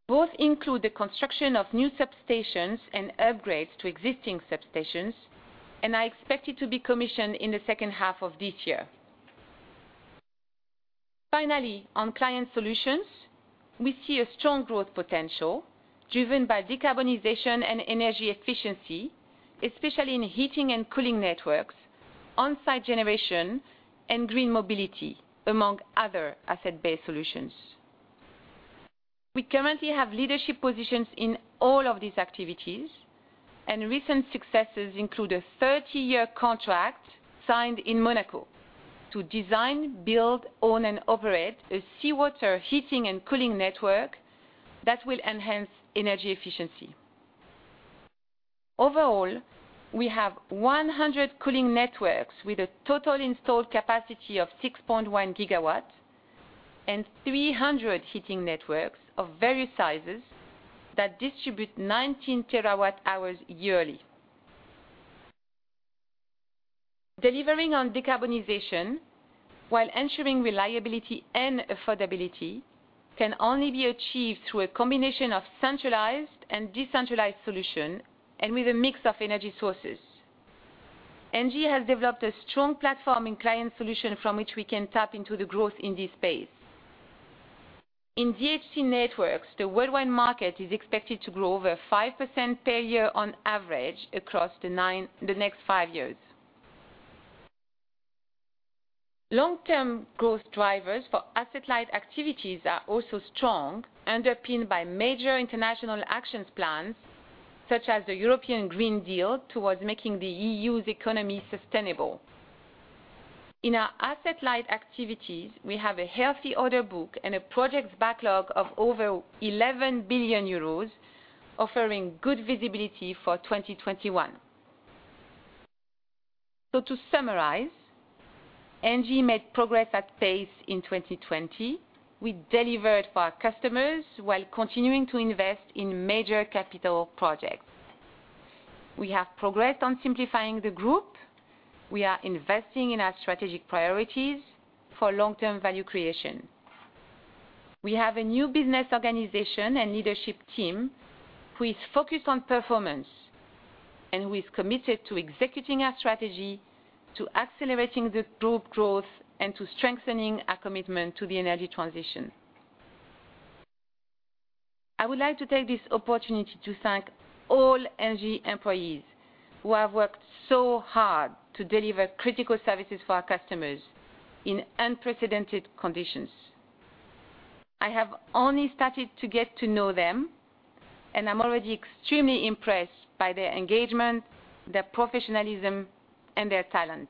Both include the construction of new substations and upgrades to existing substations, and are expected to be commissioned in the second half of this year. Finally, on Client Solutions, we see a strong growth potential driven by decarbonization and energy efficiency, especially in heating and cooling networks, on-site generation, and green mobility, among other asset-based solutions. We currently have leadership positions in all of these activities, and recent successes include a 30-year contract signed in Monaco to design, build, own, and operate a seawater heating and cooling network that will enhance energy efficiency. Overall, we have 100 cooling networks with a total installed capacity of 6.1 GW and 300 heating networks of various sizes that distribute 19 TWh yearly. Delivering on decarbonization, while ensuring reliability and affordability, can only be achieved through a combination of centralized and decentralized solutions and with a mix of energy sources. ENGIE has developed a strong platform in Client Solutions from which we can tap into the growth in this space. In DHC Networks, the worldwide market is expected to grow over 5% per year on average across the next five years. Long-term growth drivers for asset-light activities are also strong, underpinned by major international action plans such as the European Green Deal towards making the EU's economy sustainable. In our asset-light activities, we have a healthy order book and a project backlog of over 11 billion euros, offering good visibility for 2021. So, to summarize, ENGIE made progress at pace in 2020. We delivered for our customers while continuing to invest in major capital projects. We have progressed on simplifying the group. We are investing in our strategic priorities for long-term value creation. We have a new business organization and leadership team who is focused on performance and who is committed to executing our strategy to accelerating the group growth and to strengthening our commitment to the energy transition. I would like to take this opportunity to thank all ENGIE employees who have worked so hard to deliver critical services for our customers in unprecedented conditions. I have only started to get to know them, and I'm already extremely impressed by their engagement, their professionalism, and their talent,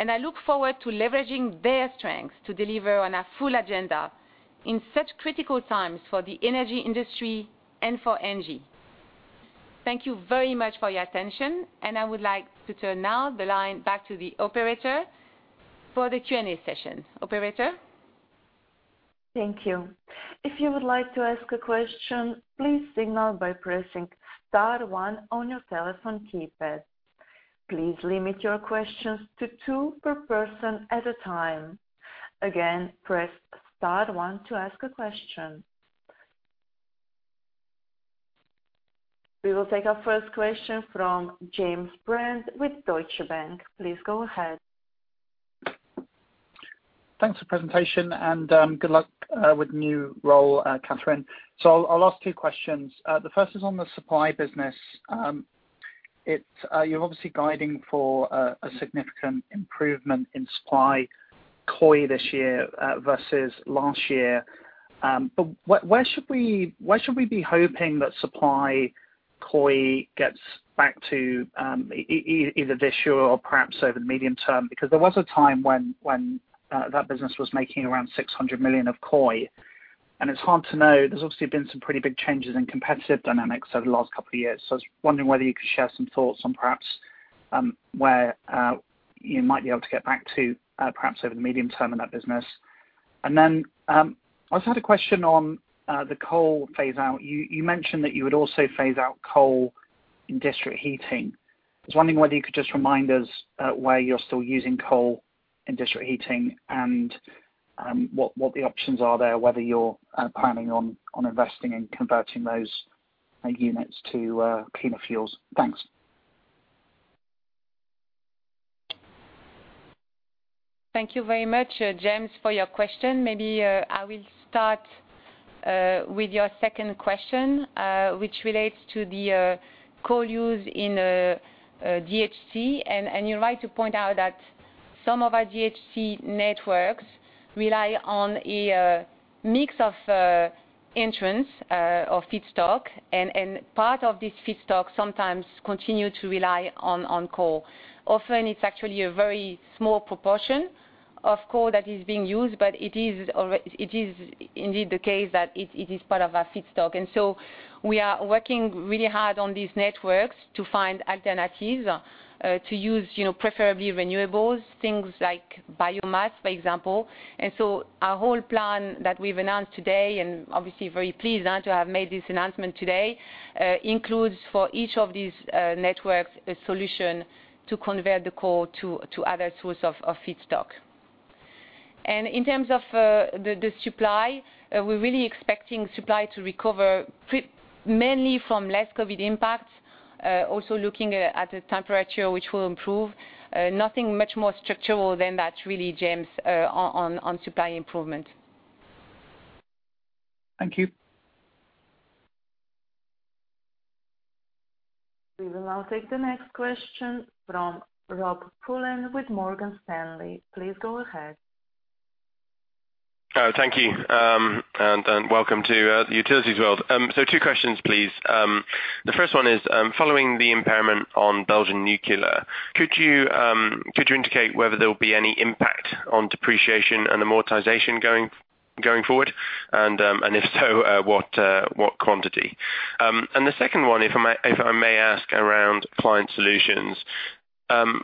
and I look forward to leveraging their strengths to deliver on our full agenda in such critical times for the energy industry and for ENGIE. Thank you very much for your attention, and I would like to turn now the line back to the operator for the Q&A session. Operator? Thank you. If you would like to ask a question, please signal by pressing star one on your telephone keypad. Please limit your questions to two per person at a time. Again, press star one to ask a question. We will take our first question from James Brand with Deutsche Bank. Please go ahead. Thanks for the presentation, and good luck with the new role, Catherine. So, I'll ask two questions. The first is on the supply business. You're obviously guiding for a significant improvement in supply COI this year versus last year. But where should we be hoping that supply COI gets back to either this year or perhaps over the medium term? Because there was a time when that business was making around 600 million of COI. And it's hard to know. There's obviously been some pretty big changes in competitive dynamics over the last couple of years. So, I was wondering whether you could share some thoughts on perhaps where you might be able to get back to perhaps over the medium term in that business. And then I just had a question on the coal phase-out. You mentioned that you would also phase out coal in district heating. I was wondering whether you could just remind us why you're still using coal in district heating and what the options are there, whether you're planning on investing in converting those units to cleaner fuels. Thanks. Thank you very much, James, for your question. Maybe I will start with your second question, which relates to the coal use in DHC. You're right to point out that some of our DHC Networks rely on a mix of inputs or feedstock, and part of this feedstock sometimes continues to rely on coal. Often, it's actually a very small proportion of coal that is being used, but it is indeed the case that it is part of our feedstock. We are working really hard on these networks to find alternatives to use, preferably Renewables, things like biomass, for example. Our whole plan that we've announced today, and obviously very pleased to have made this announcement today, includes for each of these networks a solution to convert the coal to other sources of feedstock. In terms of the supply, we're really expecting supply to recover mainly from less COVID impacts, also looking at the temperature, which will improve. Nothing much more structural than that, really, James, on supply improvement. Thank you. We will now take the next question from Rob Pullen with Morgan Stanley. Please go ahead. Thank you, and welcome to the utilities world. Two questions, please. The first one is, following the impairment on Belgian nuclear, could you indicate whether there will be any impact on depreciation and amortization going forward? And if so, what quantity? And the second one, if I may ask around Client Solutions,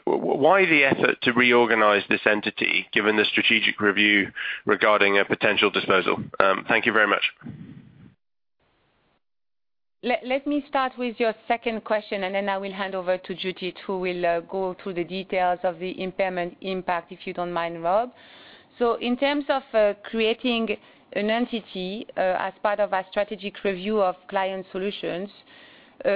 why the effort to reorganize this entity given the strategic review regarding a potential disposal? Thank you very much. Let me start with your second question, and then I will hand over to Judith, who will go through the details of the impairment impact, if you don't mind, Rob. So, in terms of creating an entity as part of our strategic review of Client Solutions,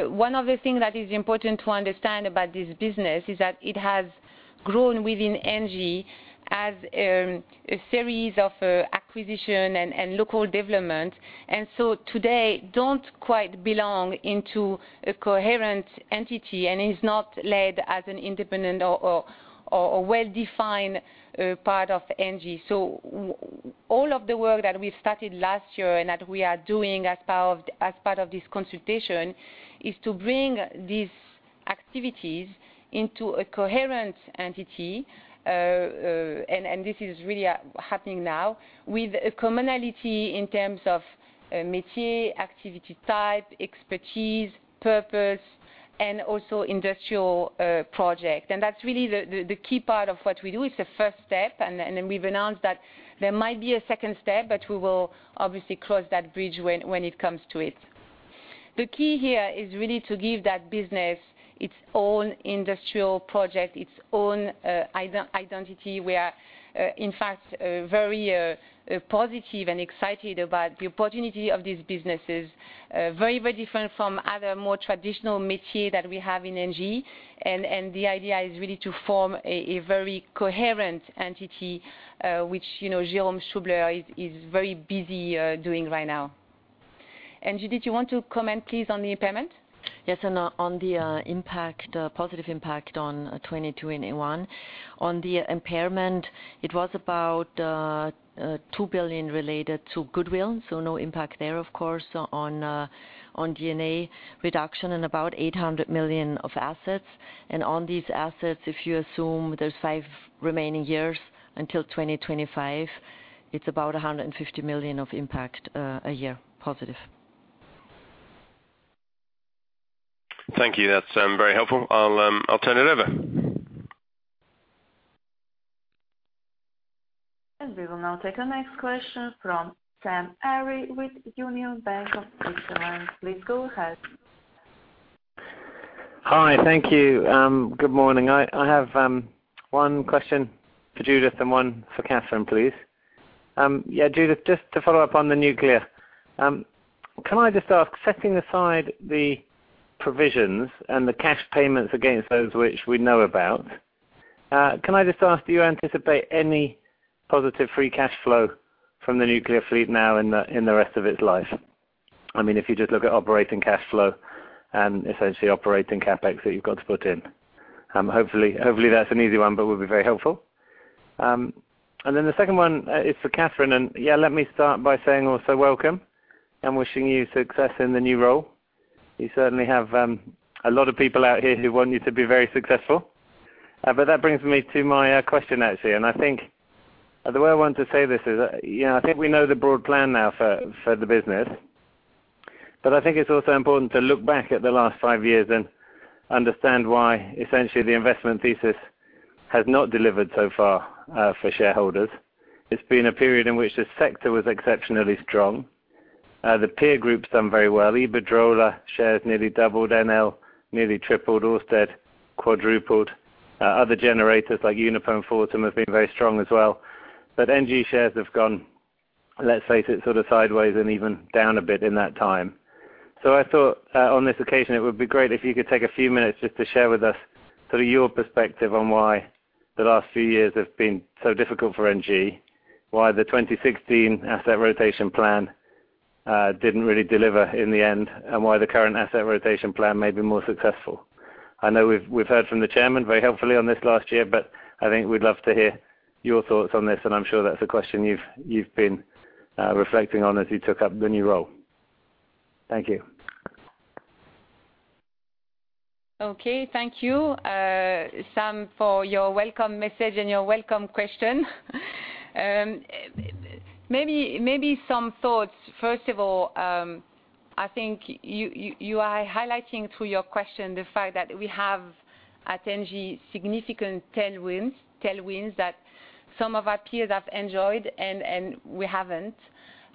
one of the things that is important to understand about this business is that it has grown within ENGIE as a series of acquisitions and local developments. And so, today, it doesn't quite belong into a coherent entity, and it's not led as an independent or well-defined part of ENGIE. All of the work that we've started last year and that we are doing as part of this consultation is to bring these activities into a coherent entity, and this is really happening now, with a commonality in terms of métier, activity type, expertise, purpose, and also industrial project. That's really the key part of what we do. It's a first step, and then we've announced that there might be a second step, but we will obviously cross that bridge when it comes to it. The key here is really to give that business its own industrial project, its own identity. We are, in fact, very positive and excited about the opportunity of these businesses, very, very different from other more traditional métiers that we have in ENGIE. The idea is really to form a very coherent entity, which Jérôme Stubler is very busy doing right now. Judith, you want to comment, please, on the impairment? Yes, on the positive impact on 2021. On the impairment, it was about 2 billion related to goodwill, so no impact there, of course, on DNA reduction and about 800 million of assets. On these assets, if you assume there's five remaining years until 2025, it's about 150 million of impact a year, positive. Thank you. That's very helpful. I'll turn it over. We will now take the next question from Sam Arie with Union Bank of Switzerland. Please go ahead. Hi, thank you. Good morning. I have one question for Judith and one for Catherine, please. Yeah, Judith, just to follow up on the Nuclear, can I just ask, setting aside the provisions and the cash payments against those which we know about, can I just ask, do you anticipate any positive free cash flow from the Nuclear fleet now in the rest of its life? I mean, if you just look at operating cash flow and essentially operating CapEx that you've got to put in. Hopefully, that's an easy one, but it would be very helpful. And then the second one is for Catherine. And yeah, let me start by saying also welcome and wishing you success in the new role. You certainly have a lot of people out here who want you to be very successful. But that brings me to my question, actually. I think the way I want to say this is, I think we know the broad plan now for the business, but I think it's also important to look back at the last five years and understand why essentially the investment thesis has not delivered so far for shareholders. It's been a period in which the sector was exceptionally strong. The peer group's done very well. Iberdrola shares nearly doubled, Enel nearly tripled, Ørsted quadrupled. Other generators like Uniper and Fortum have been very strong as well. But ENGIE shares have gone, let's face it, sort of sideways and even down a bit in that time. So, I thought on this occasion, it would be great if you could take a few minutes just to share with us sort of your perspective on why the last few years have been so difficult for ENGIE, why the 2016 asset rotation plan didn't really deliver in the end, and why the current asset rotation plan may be more successful. I know we've heard from the chairman very helpfully on this last year, but I think we'd love to hear your thoughts on this, and I'm sure that's a question you've been reflecting on as you took up the new role. Thank you. Okay, thank you, Sam, for your welcome message and your welcome question. Maybe some thoughts. First of all, I think you are highlighting through your question the fact that we have at ENGIE significant tailwinds that some of our peers have enjoyed and we haven't.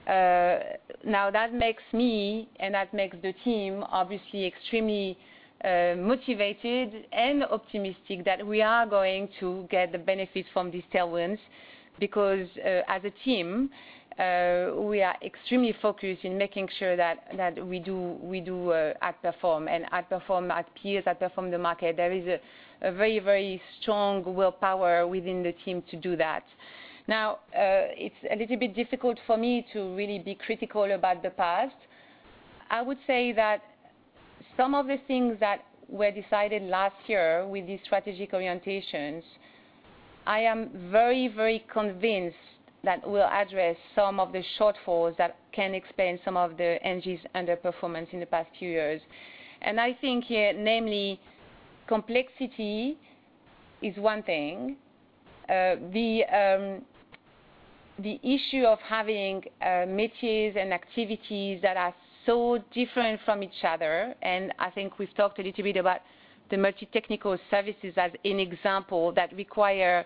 Now, that makes me and that makes the team obviously extremely motivated and optimistic that we are going to get the benefits from these tailwinds because as a team, we are extremely focused in making sure that we do outperform and outperform our peers, outperform the market. There is a very, very strong willpower within the team to do that. Now, it's a little bit difficult for me to really be critical about the past. I would say that some of the things that were decided last year with these strategic orientations, I am very, very convinced that will address some of the shortfalls that can explain some of ENGIE's underperformance in the past few years, and I think here, namely, complexity is one thing. The issue of having métiers and activities that are so different from each other, and I think we've talked a little bit about the multi-technical services as an example that require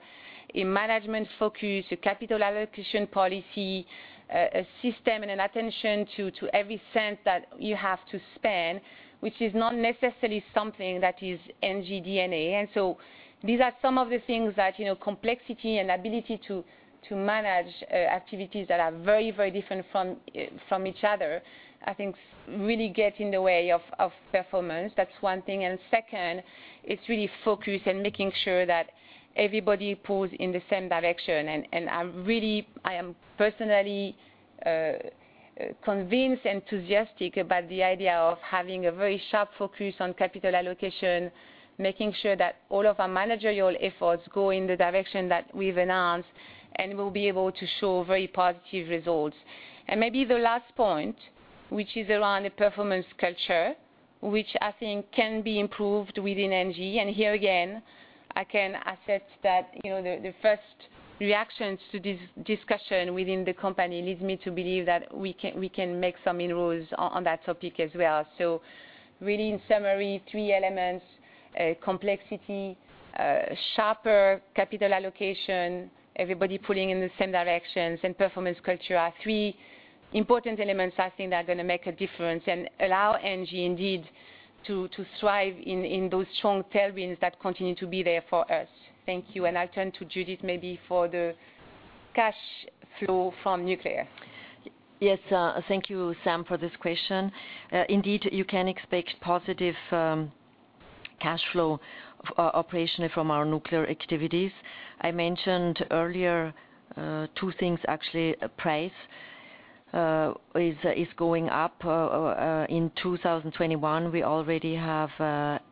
a management focus, a capital allocation policy, a system, and an attention to every cent that you have to spend, which is not necessarily something that is ENGIE DNA. And so, these are some of the things that complexity and ability to manage activities that are very, very different from each other, I think, really get in the way of performance. That's one thing. And second, it's really focus and making sure that everybody pulls in the same direction. And I am personally convinced, enthusiastic about the idea of having a very sharp focus on capital allocation, making sure that all of our managerial efforts go in the direction that we've announced and we'll be able to show very positive results. And maybe the last point, which is around the performance culture, which I think can be improvzed within ENGIE. And here again, I can assess that the first reactions to this discussion within the company lead me to believe that we can make some inroads on that topic as well. So, really, in summary, three elements: complexity, sharper capital allocation, everybody pulling in the same directions, and performance culture are three important elements I think that are going to make a difference and allow ENGIE indeed to thrive in those strong tailwinds that continue to be there for us. Thank you. I'll turn to Judith maybe for the cash flow from Nuclear. Yes, thank you, Sam, for this question. Indeed, you can expect positive cash flow operationally from our Nuclear activities. I mentioned earlier two things, actually. Price is going up. In 2021, we already have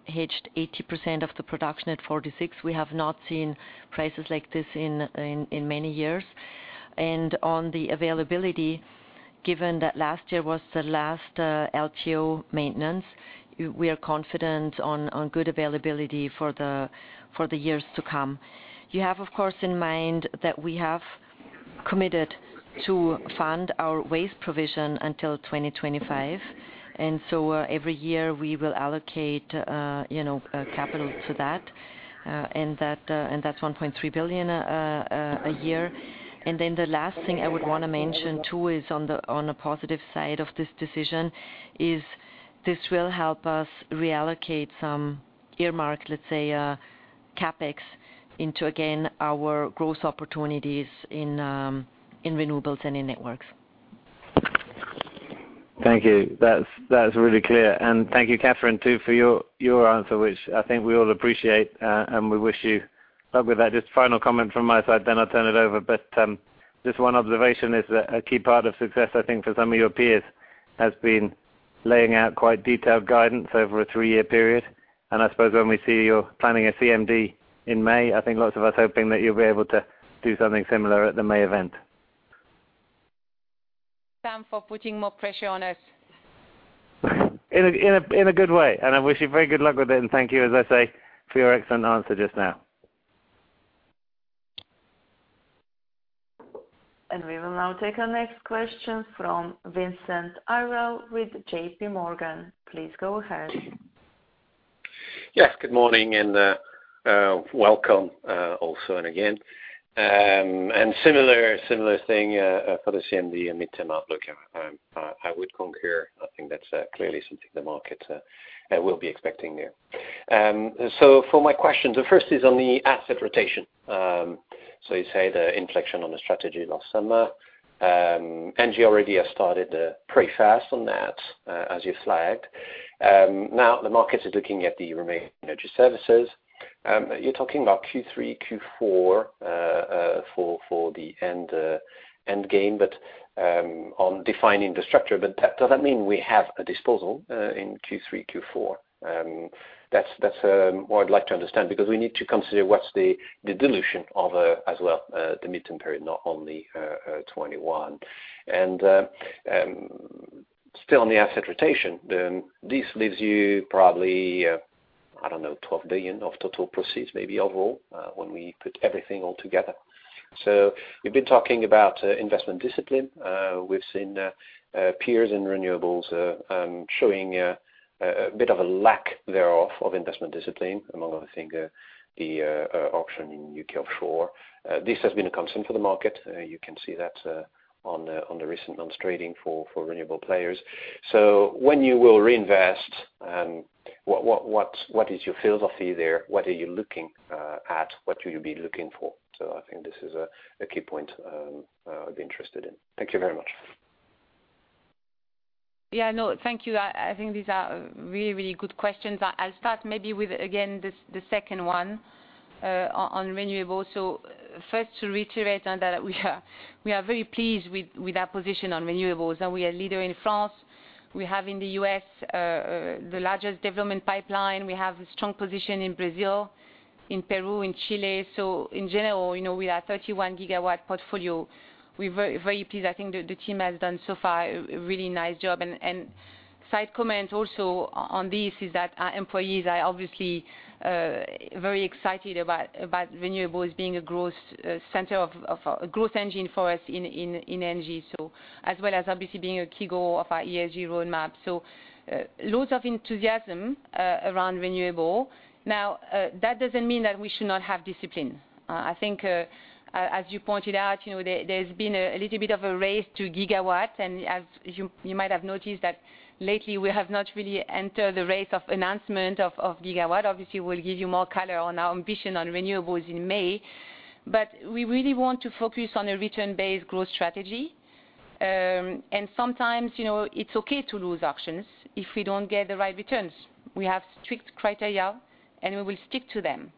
hedged 80% of the production at 46. We have not seen prices like this in many years. And on the availability, given that last year was the last LTO maintenance, we are confident on good availability for the years to come. You have, of course, in mind that we have committed to fund our waste provision until 2025. And so, every year, we will allocate capital to that, and that's 1.3 billion a year. Then the last thing I would want to mention, too, is on the positive side of this decision. This will help us reallocate some earmark, let's say, CapEx into, again, our growth opportunities in Renewables and in Networks. Thank you. That's really clear. Thank you, Catherine, too, for your answer, which I think we all appreciate, and we wish you luck with that. Just final comment from my side, then I'll turn it over. One observation is that a key part of success, I think, for some of your peers has been laying out quite detailed guidance over a three-year period. I suppose when we see you're planning a CMD in May, I think lots of us are hoping that you'll be able to do something similar at the May event. Thank you, Sam, for putting more pressure on us. In a good way. And I wish you very good luck with it. And thank you, as I say, for your excellent answer just now. And we will now take our next question from Vincent Ayral with J.P. Morgan. Please go ahead. Yes, good morning and welcome also and again. And similar thing for the CMD and mid-term outlook, I would concur. I think that's clearly something the market will be expecting there. So, for my questions, the first is on the asset rotation. So, you say the inflection on the strategy last summer. ENGIE already has started pretty fast on that, as you flagged. Now, the market is looking at the remaining energy services. You're talking about Q3, Q4 for the end game, but on defining the structure. But does that mean we have a disposal in Q3, Q4? That's what I'd like to understand because we need to consider what's the dilution of as well, the mid-term period, not only 2021. And still on the asset rotation, this leaves you probably, I don't know, 12 billion of total proceeds maybe overall when we put everything all together. So, we've been talking about investment discipline. We've seen peers in Renewables showing a bit of a lack thereof of investment discipline, among other things, the auction in U.K. offshore. This has been a concern for the market. You can see that on the recent months' trading for renewable players. So, when you will reinvest, what is your philosophy there? What are you looking at? What will you be looking for? So, I think this is a key point I'd be interested in. Thank you very much. Yeah, no, thank you. I think these are really, really good questions. I'll start maybe with, again, the second one on Renewables. So, first to reiterate that we are very pleased with our position on Renewables. We are a leader in France. We have in the U.S. the largest development pipeline. We have a strong position in Brazil, in Peru, in Chile. So, in general, with our 31 GW portfolio, we're very pleased. I think the team has done so far a really nice job. And side comment also on this is that our employees are obviously very excited about Renewables being a growth engine for us in ENGIE, as well as obviously being a key goal of our ESG roadmap. So, loads of enthusiasm around renewable. Now, that doesn't mean that we should not have discipline. I think, as you pointed out, there's been a little bit of a race to gigawatts. And as you might have noticed, lately, we have not really entered the race of announcement of gigawatts. Obviously, we'll give you more color on our ambition on Renewables in May. But we really want to focus on a return-based growth strategy. And sometimes, it's okay to lose auctions if we don't get the right returns. We have strict criteria, and we will stick to them.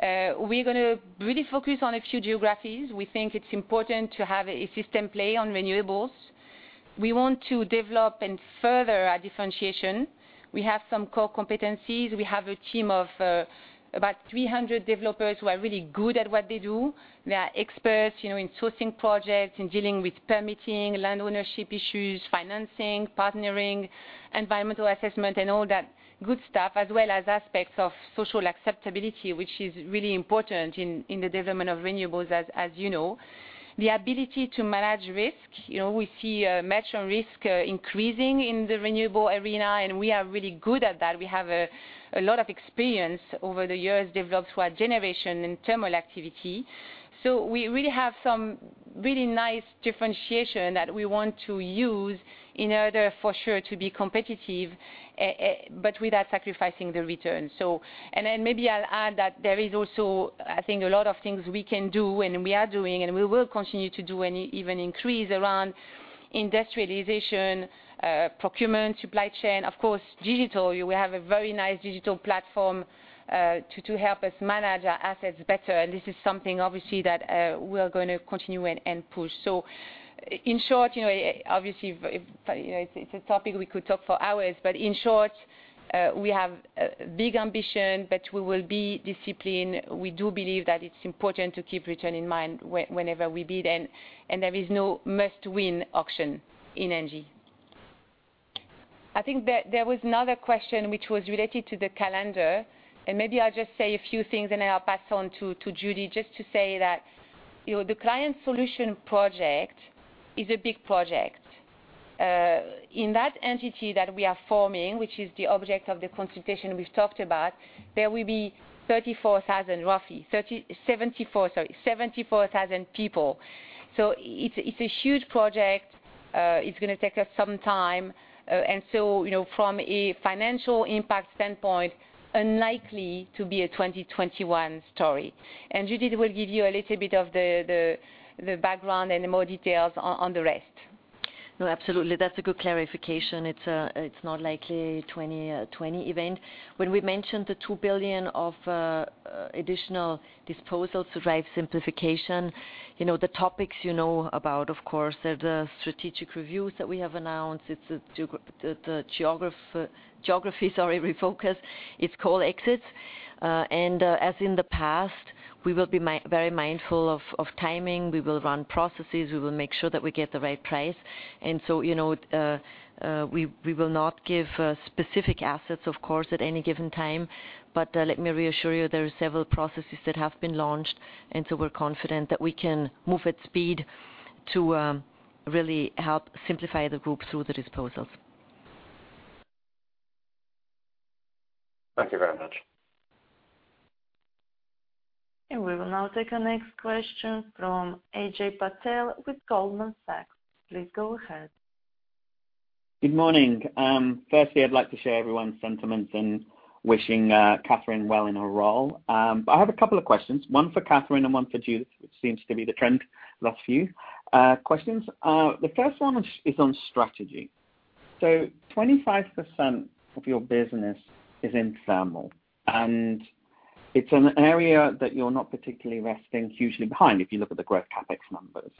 We're going to really focus on a few geographies. We think it's important to have a system play on Renewables. We want to develop and further our differentiation. We have some core competencies. We have a team of about 300 developers who are really good at what they do. They are experts in sourcing projects, in dealing with permitting, land ownership issues, financing, partnering, environmental assessment, and all that good stuff, as well as aspects of social acceptability, which is really important in the development of Renewables, as you know. The ability to manage risk. We see merchant risk increasing in the renewable arena, and we are really good at that. We have a lot of experience over the years developed through our generation and Thermal activity. We really have some really nice differentiation that we want to use in order for sure to be competitive, but without sacrificing the return. And then maybe I'll add that there is also, I think, a lot of things we can do and we are doing and we will continue to do and even increase around industrialization, procurement, supply chain. Of course, digital, we have a very nice digital platform to help us manage our assets better. And this is something, obviously, that we're going to continue and push. So, in short, obviously, it's a topic we could talk for hours, but in short, we have big ambition, but we will be disciplined. We do believe that it's important to keep return in mind whenever we bid. And there is no must-win auction in ENGIE. I think there was another question which was related to the calendar. And maybe I'll just say a few things, and then I'll pass on to Judith just to say that the Client Solution project is a big project. In that entity that we are forming, which is the object of the consultation we've talked about, there will be 34,000, roughly 74,000 people. So, it's a huge project. It's going to take us some time. And so, from a financial impact standpoint, unlikely to be a 2021 story. And Judy will give you a little bit of the background and more details on the rest. No, absolutely. That's a good clarification. It's not likely a 2020 event. When we mentioned the 2 billion of additional disposals to drive simplification, the topics you know about, of course, are the strategic reviews that we have announced. It's the geographies, our every focus. It's coal exits. And as in the past, we will be very mindful of timing. We will run processes. We will make sure that we get the right price. And so, we will not give specific assets, of course, at any given time. But let me reassure you, there are several processes that have been launched. And so, we're confident that we can move at speed to really help simplify the group through the disposals. Thank you very much. And we will now take our next question from Ajay Patel with Goldman Sachs. Please go ahead. Good morning. Firstly, I'd like to share everyone's sentiments and wishing Catherine well in her role. But I have a couple of questions, one for Catherine and one for Judy, which seems to be the trend last few questions. The first one is on strategy. So, 25% of your business is in Thermal, and it's an area that you're not particularly resting hugely behind if you look at the growth CapEx numbers.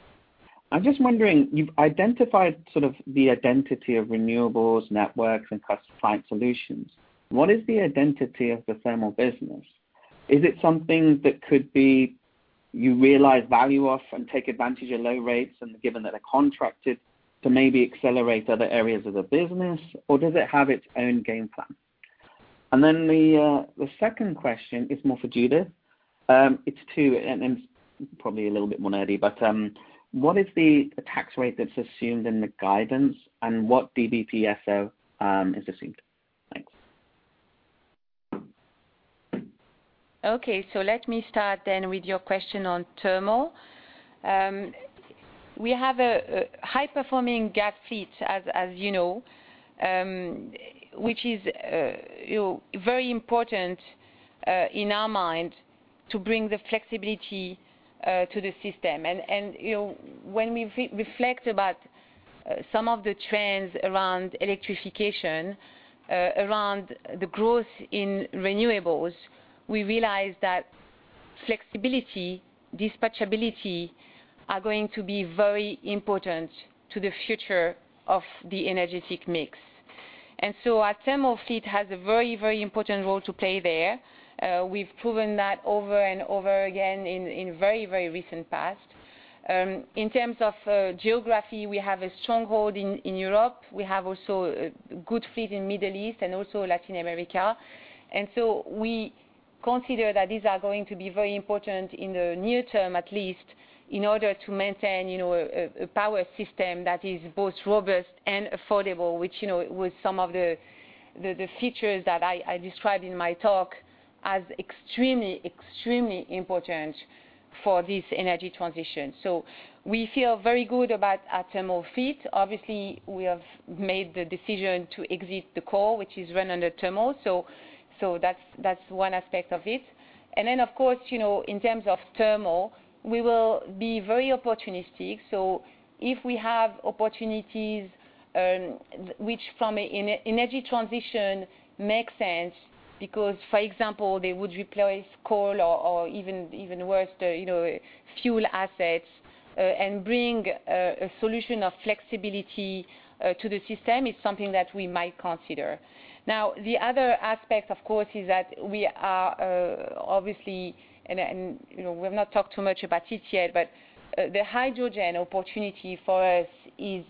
I'm just wondering, you've identified sort of the identity of Renewables, Networks, and Client Solutions. What is the identity of the Thermal business? Is it something that could be you realize value of and take advantage of low rates and given that they're contracted to maybe accelerate other areas of the business, or does it have its own game plan? And then the second question is more for Judith. It's two, and it's probably a little bit more nerdy, but what is the tax rate that's assumed in the guidance, and what DBSO is assumed? Thanks. Okay, so let me start then with your question on Thermal. We have a high-performing gas fleet, as you know, which is very important in our mind to bring the flexibility to the system. And when we reflect about some of the trends around electrification, around the growth in Renewables, we realize that flexibility, dispatchability are going to be very important to the future of the energetic mix. And so, our Thermal fleet has a very, very important role to play there. We've proven that over and over again in the very, very recent past. In terms of geography, we have a stronghold in Europe. We have also a good fleet in the Middle East and also Latin America. And so, we consider that these are going to be very important in the near term, at least, in order to maintain a power system that is both robust and affordable, which was some of the features that I described in my talk as extremely, extremely important for this energy transition. So, we feel very good about our Thermal fleet. Obviously, we have made the decision to exit coal, which is run under Thermal. So, that's one aspect of it. And then, of course, in terms of Thermal, we will be very opportunistic. If we have opportunities which from an energy transition make sense because, for example, they would replace coal or even worse, fuel assets and bring a solution of flexibility to the system, it's something that we might consider. Now, the other aspect, of course, is that we are obviously, and we've not talked too much about it yet, but the hydrogen opportunity for us is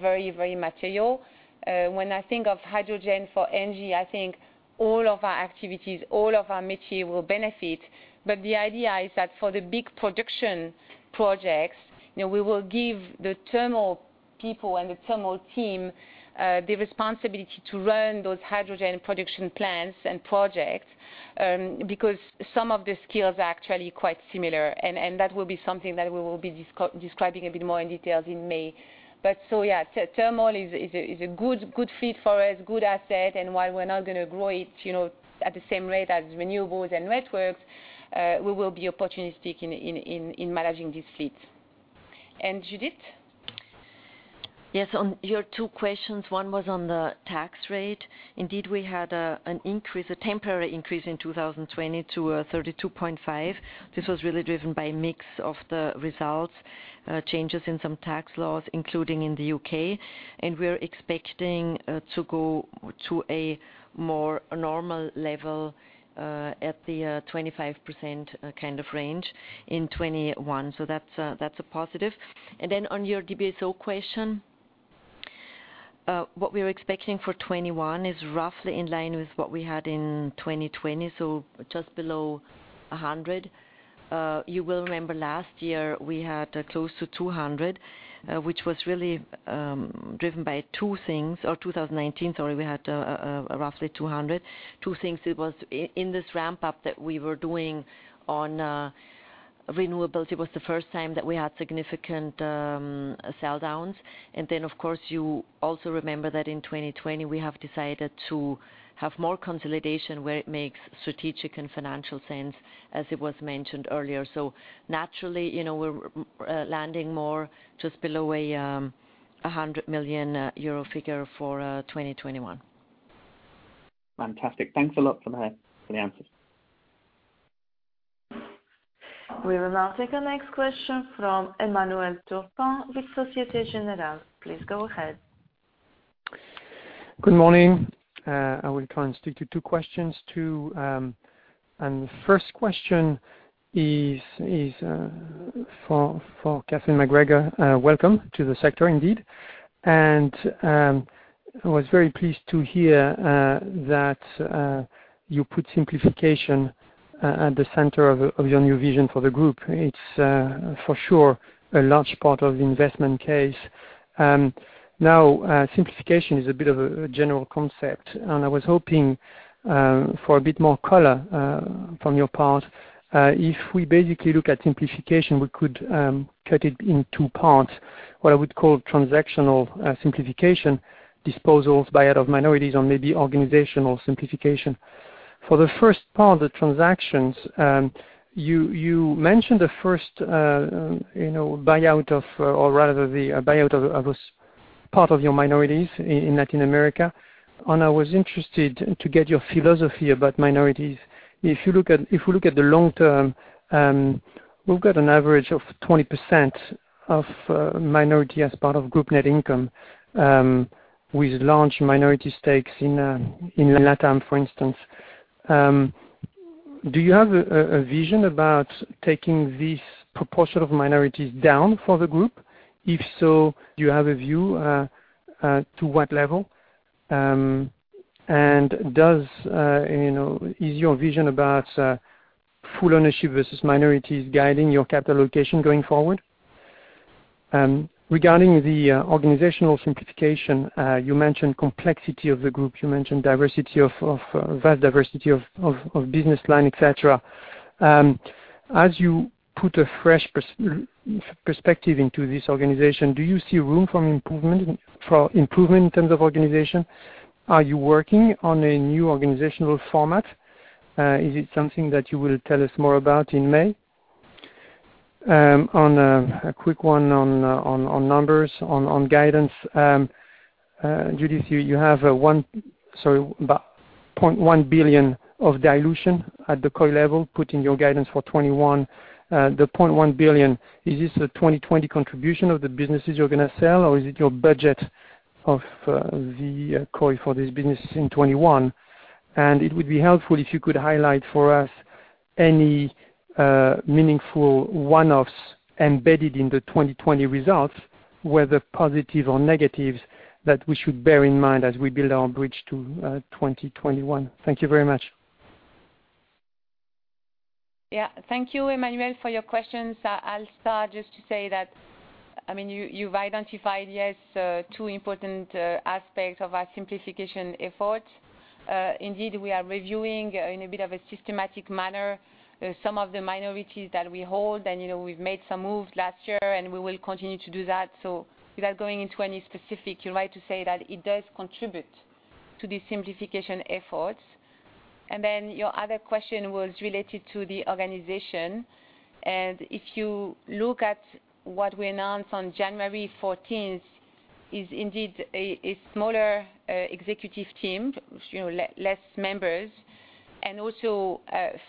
very, very material. When I think of hydrogen for ENGIE, I think all of our activities, all of our mission will benefit. But the idea is that for the big production projects, we will give the Thermal people and the Thermal team the responsibility to run those hydrogen production plants and projects because some of the skills are actually quite similar. That will be something that we will be describing a bit more in detail in May. But so, yeah, Thermal is a good fleet for us, good asset. And while we're not going to grow it at the same rate as Renewables and Networks, we will be opportunistic in managing this fleet. And Judith? Yes, on your two questions, one was on the tax rate. Indeed, we had an increase, a temporary increase in 2020 to 32.5%. This was really driven by a mix of the results, changes in some tax laws, including in the U.K. And we're expecting to go to a more normal level at the 25% kind of range in 2021. So, that's a positive. And then on your DBSO question, what we were expecting for 2021 is roughly in line with what we had in 2020, so just below 100. You will remember last year we had close to 200, which was really driven by two things. In 2019, sorry, we had roughly 200. Two things, it was in this ramp-up that we were doing on Renewables. It was the first time that we had significant sell-downs. And then, of course, you also remember that in 2020, we have decided to have more consolidation where it makes strategic and financial sense, as it was mentioned earlier. So, naturally, we're landing more just below a 100 million euro figure for 2021. Fantastic. Thanks a lot for the answers. We will now take our next question from Emmanuel Turpin with Société Générale. Please go ahead. Good morning. I will try and stick to two questions. And the first question is for Catherine MacGregor. Welcome to the sector, indeed. And I was very pleased to hear that you put simplification at the center of your new vision for the group. It's for sure a large part of the investment case. Now, simplification is a bit of a general concept, and I was hoping for a bit more color from your part. If we basically look at simplification, we could cut it in two parts, what I would call transactional simplification, disposals, buyout of minorities, or maybe organizational simplification. For the first part, the transactions, you mentioned the first buyout of, or rather the buyout of part of your minorities in Latin America, and I was interested to get your philosophy about minorities. If we look at the long term, we've got an average of 20% of minority as part of group net income with large minority stakes in LatAm, for instance. Do you have a vision about taking this proportion of minorities down for the group? If so, do you have a view to what level? Is your vision about full ownership versus minorities guiding your capital allocation going forward? Regarding the organizational simplification, you mentioned complexity of the group. You mentioned vast diversity of business line, etc. As you put a fresh perspective into this organization, do you see room for improvement in terms of organization? Are you working on a new organizational format? Is it something that you will tell us more about in May? On a quick one on numbers, on guidance, Judith, you have 1.1 billion of dilution at the COI level putting your guidance for 2021. The 0.1 billion, is this the 2020 contribution of the businesses you're going to sell, or is it your budget of the COI for these businesses in 2021? It would be helpful if you could highlight for us any meaningful one-offs embedded in the 2020 results, whether positives or negatives, that we should bear in mind as we build our bridge to 2021. Thank you very much. Yeah, thank you, Emmanuel, for your questions. I'll start just to say that, I mean, you've identified, yes, two important aspects of our simplification efforts. Indeed, we are reviewing in a bit of a systematic manner some of the minorities that we hold. And we've made some moves last year, and we will continue to do that. So, without going into any specific, you're right to say that it does contribute to the simplification efforts. And then your other question was related to the organization. If you look at what we announced on January 14th, it's indeed a smaller executive team, less members, and also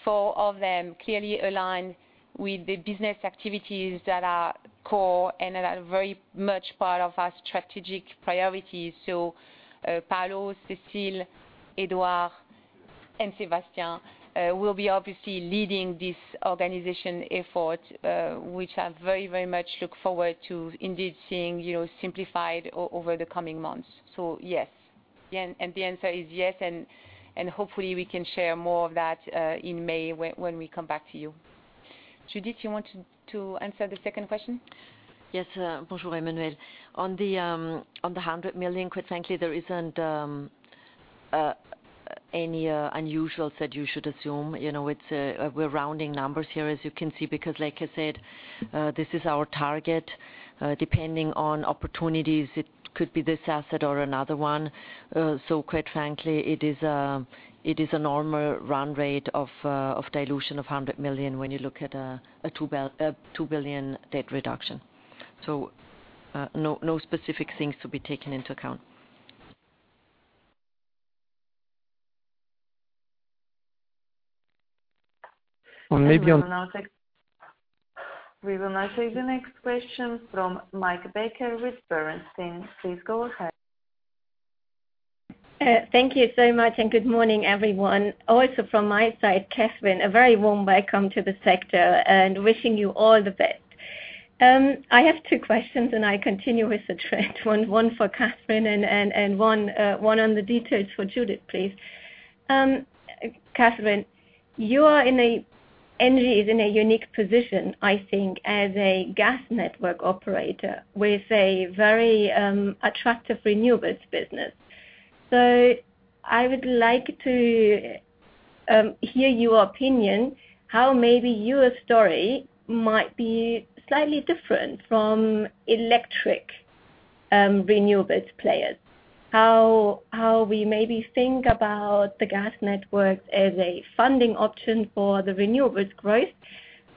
four of them clearly aligned with the business activities that are core and that are very much part of our strategic priorities. So, Paulo, Cécile, Edouard, and Sébastien will be obviously leading this organizational effort, which I very, very much look forward to indeed seeing simplified over the coming months. So, yes. And the answer is yes. And hopefully, we can share more of that in May when we come back to you. Judith, you want to answer the second question? Yes. Bonjour, Emmanuel. On the 100 million, quite frankly, there isn't anything unusual that you should assume. We're rounding numbers here, as you can see, because, like I said, this is our target. Depending on opportunities, it could be this asset or another one. So, quite frankly, it is a normal run rate of dilution of 100 million when you look at a 2 billion debt reduction. So, no specific things to be taken into account. We will now take the next question from Meike Becker with Bernstein. Please go ahead. Thank you so much, and good morning, everyone. Also, from my side, Catherine, a very warm welcome to the sector and wishing you all the best. I have two questions, and I continue with the trend, one for Catherine and one on the details for Judith, please. Catherine, ENGIE is in a unique position, I think, as a gas network operator with a very attractive Renewables business. I would like to hear your opinion, how maybe your story might be slightly different from electric renewables players, how we maybe think about the gas networks as a funding option for the Renewables growth.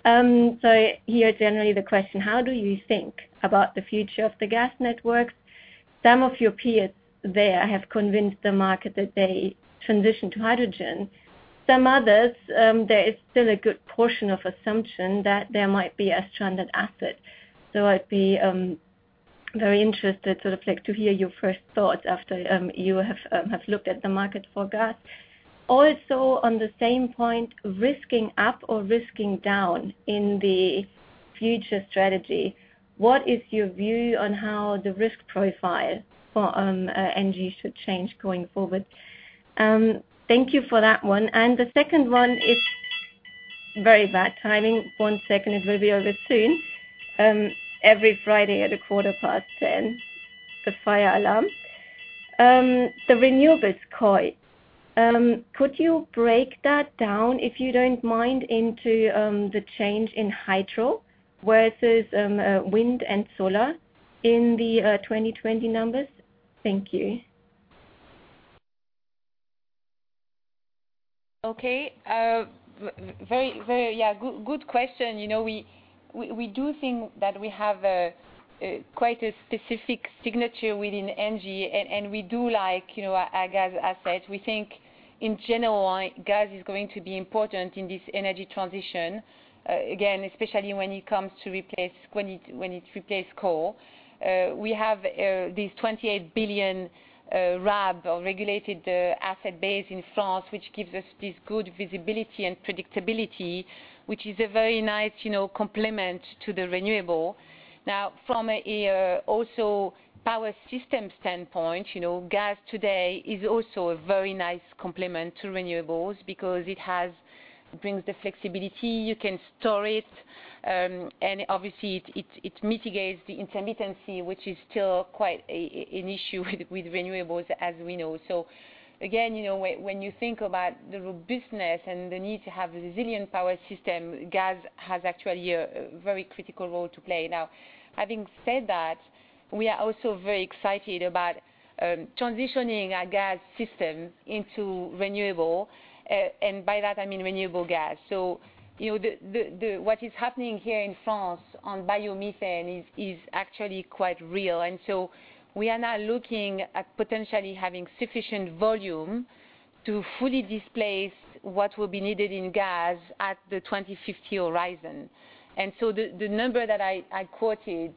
So, here, generally, the question, how do you think about the future of the gas networks? Some of your peers there have convinced the market that they transition to hydrogen. Some others, there is still a good portion of assumption that there might be a stranded asset. So, I'd be very interested sort of to hear your first thoughts after you have looked at the market for gas. Also, on the same point, risking up or risking down in the future strategy, what is your view on how the risk profile for Energy should change going forward? Thank you for that one. The second one is very bad timing. One second, it will be over soon. Every Friday at 10:15 A.M., the fire alarm. The Renewables COI, could you break that down, if you don't mind, into the change in Hydro versus Wind and Solar in the 2020 numbers? Thank you. Okay. Yeah, good question. We do think that we have quite a specific signature within ENGIE, and we do like a gas asset. We think, in general, gas is going to be important in this energy transition, again, especially when it replaces coal. We have this €28 billion RAB or regulated asset base in France, which gives us this good visibility and predictability, which is a very nice complement to the renewable. Now, from also power system standpoint, gas today is also a very nice complement to Renewables because it brings the flexibility. You can store it, and obviously, it mitigates the intermittency, which is still quite an issue with Renewables, as we know. So, again, when you think about the robustness and the need to have a resilient power system, gas has actually a very critical role to play. Now, having said that, we are also very excited about transitioning our gas system into renewable, and by that, I mean renewable gas. So, what is happening here in France on biomethane is actually quite real. And so, we are now looking at potentially having sufficient volume to fully displace what will be needed in gas at the 2050 horizon. And so, the number that I quoted,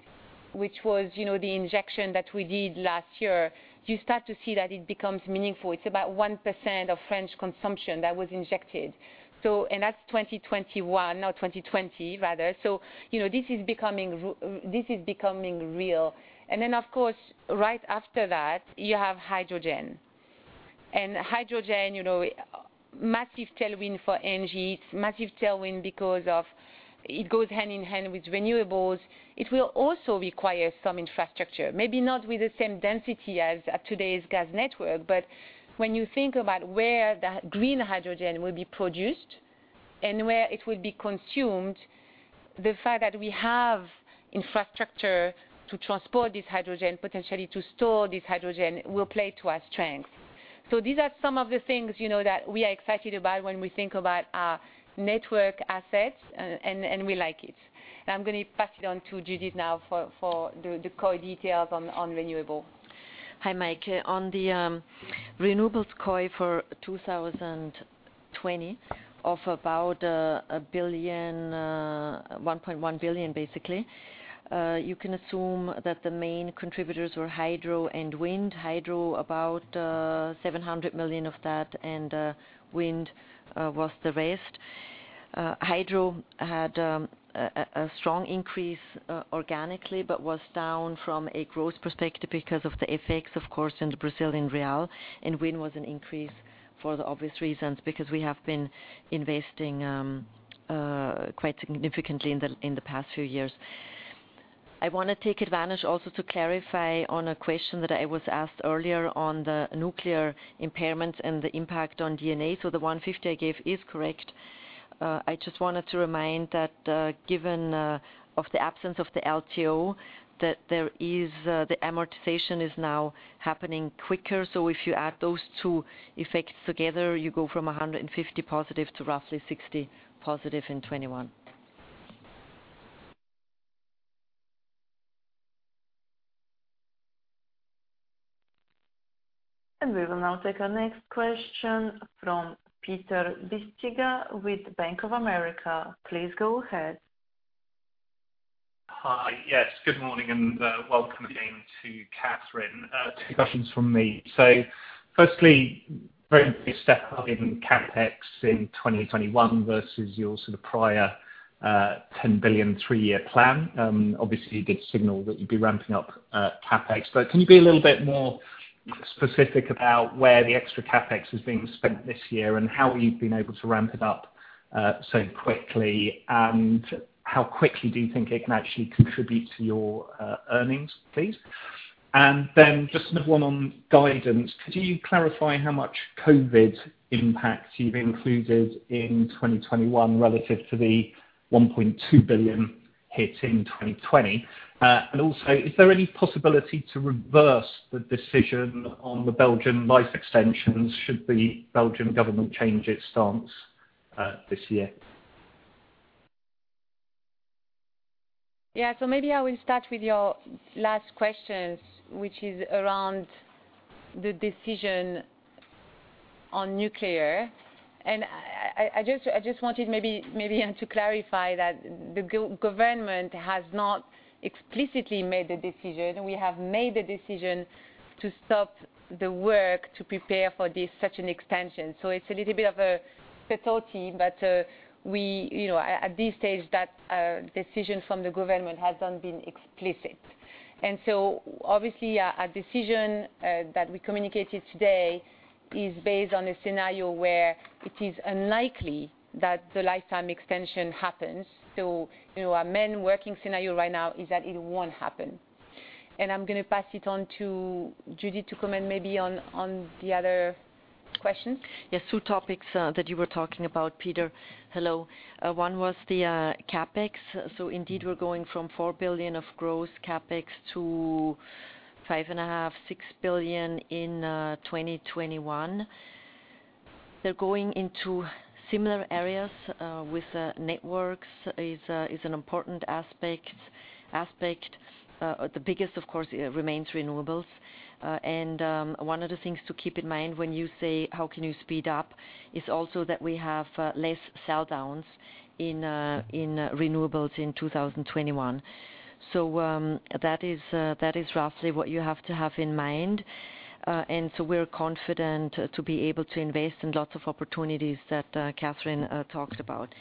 which was the injection that we did last year, you start to see that it becomes meaningful. It's about 1% of French consumption that was injected. And that's 2021, not 2020, rather. This is becoming real. Of course, right after that, you have hydrogen. Hydrogen, massive tailwind for ENGIE. It's massive tailwind because it goes hand in hand with Renewables. It will also require some infrastructure. Maybe not with the same density as today's gas network, but when you think about where that green hydrogen will be produced and where it will be consumed, the fact that we have infrastructure to transport this hydrogen, potentially to store this hydrogen, will play to our strength. These are some of the things that we are excited about when we think about our Network assets, and we like it. I'm going to pass it on to Judith now for the COI details on Renewables. Hi, Meike. On the Renewables COI for 2020 of about 1.1 billion, basically, you can assume that the main contributors were Hydro and Wind. Hydro, about 700 million of that, and Wind was the rest. Hydro had a strong increase organically but was down from a growth perspective because of the effects, of course, in the Brazilian real. And wind was an increase for the obvious reasons because we have been investing quite significantly in the past few years. I want to take advantage also to clarify on a question that I was asked earlier on the Nuclear impairments and the impact on D&A. So, the 150 I gave is correct. I just wanted to remind that given the absence of the LTO, the amortization is now happening quicker. So, if you add those two effects together, you go from 150 positive to roughly 60 positive in 2021. And we will now take our next question from Peter Bisztyga with Bank of America. Please go ahead. Hi, yes. Good morning and welcome again to Catherine. Two questions from me. So, firstly, very big step up in CapEx in 2021 versus your sort of prior 10 billion three-year plan. Obviously, you did signal that you'd be ramping up CapEx. But can you be a little bit more specific about where the extra CapEx is being spent this year and how you've been able to ramp it up so quickly? And how quickly do you think it can actually contribute to your earnings, please? And then just another one on guidance. Could you clarify how much COVID impact you've included in 2021 relative to the 1.2 billion hit in 2020? And also, is there any possibility to reverse the decision on the Belgian life extensions should the Belgian government change its stance this year? Yeah. So, maybe I will start with your last question, which is around the decision on Nuclear. And I just wanted maybe to clarify that the government has not explicitly made the decision. We have made the decision to stop the work to prepare for such an extension. So, it's a little bit of a paucity, but at this stage, that decision from the government has not been explicit. And so, obviously, our decision that we communicated today is based on a scenario where it is unlikely that the lifetime extension happens. So, our main working scenario right now is that it won't happen. And I'm going to pass it on to Judith to comment maybe on the other questions. Yes. Two topics that you were talking about, Peter. Hello. One was the CapEx. So, indeed, we're going from 4 billion of gross CapEx to 5.5-6 billion in 2021. They're going into similar areas. With Networks is an important aspect. The biggest, of course, remains Renewables. One of the things to keep in mind when you say, "How can you speed up?" is also that we have less sell-downs in Renewables in 2021. That is roughly what you have to have in mind. We're confident to be able to invest in lots of opportunities that Catherine talked about.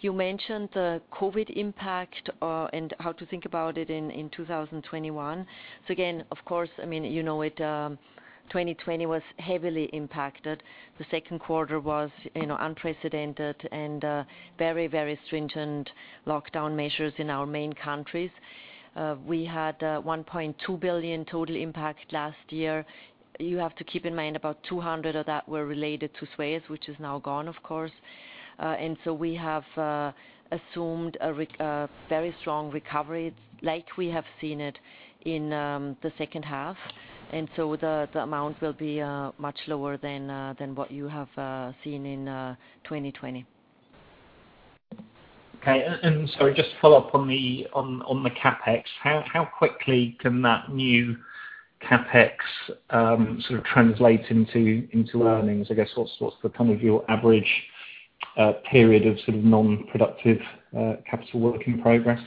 You mentioned the COVID impact and how to think about it in 2021. Again, of course, I mean, you know it, 2020 was heavily impacted. The second quarter was unprecedented and very, very stringent lockdown measures in our main countries. We had 1.2 billion total impact last year. You have to keep in mind about 200 million of that were related to SUEZ, which is now gone, of course. And so, we have assumed a very strong recovery like we have seen it in the second half. And so, the amount will be much lower than what you have seen in 2020. Okay. And sorry, just to follow up on the CapEx, how quickly can that new CapEx sort of translate into earnings? I guess what's the kind of your average period of sort of non-productive capital work in progress?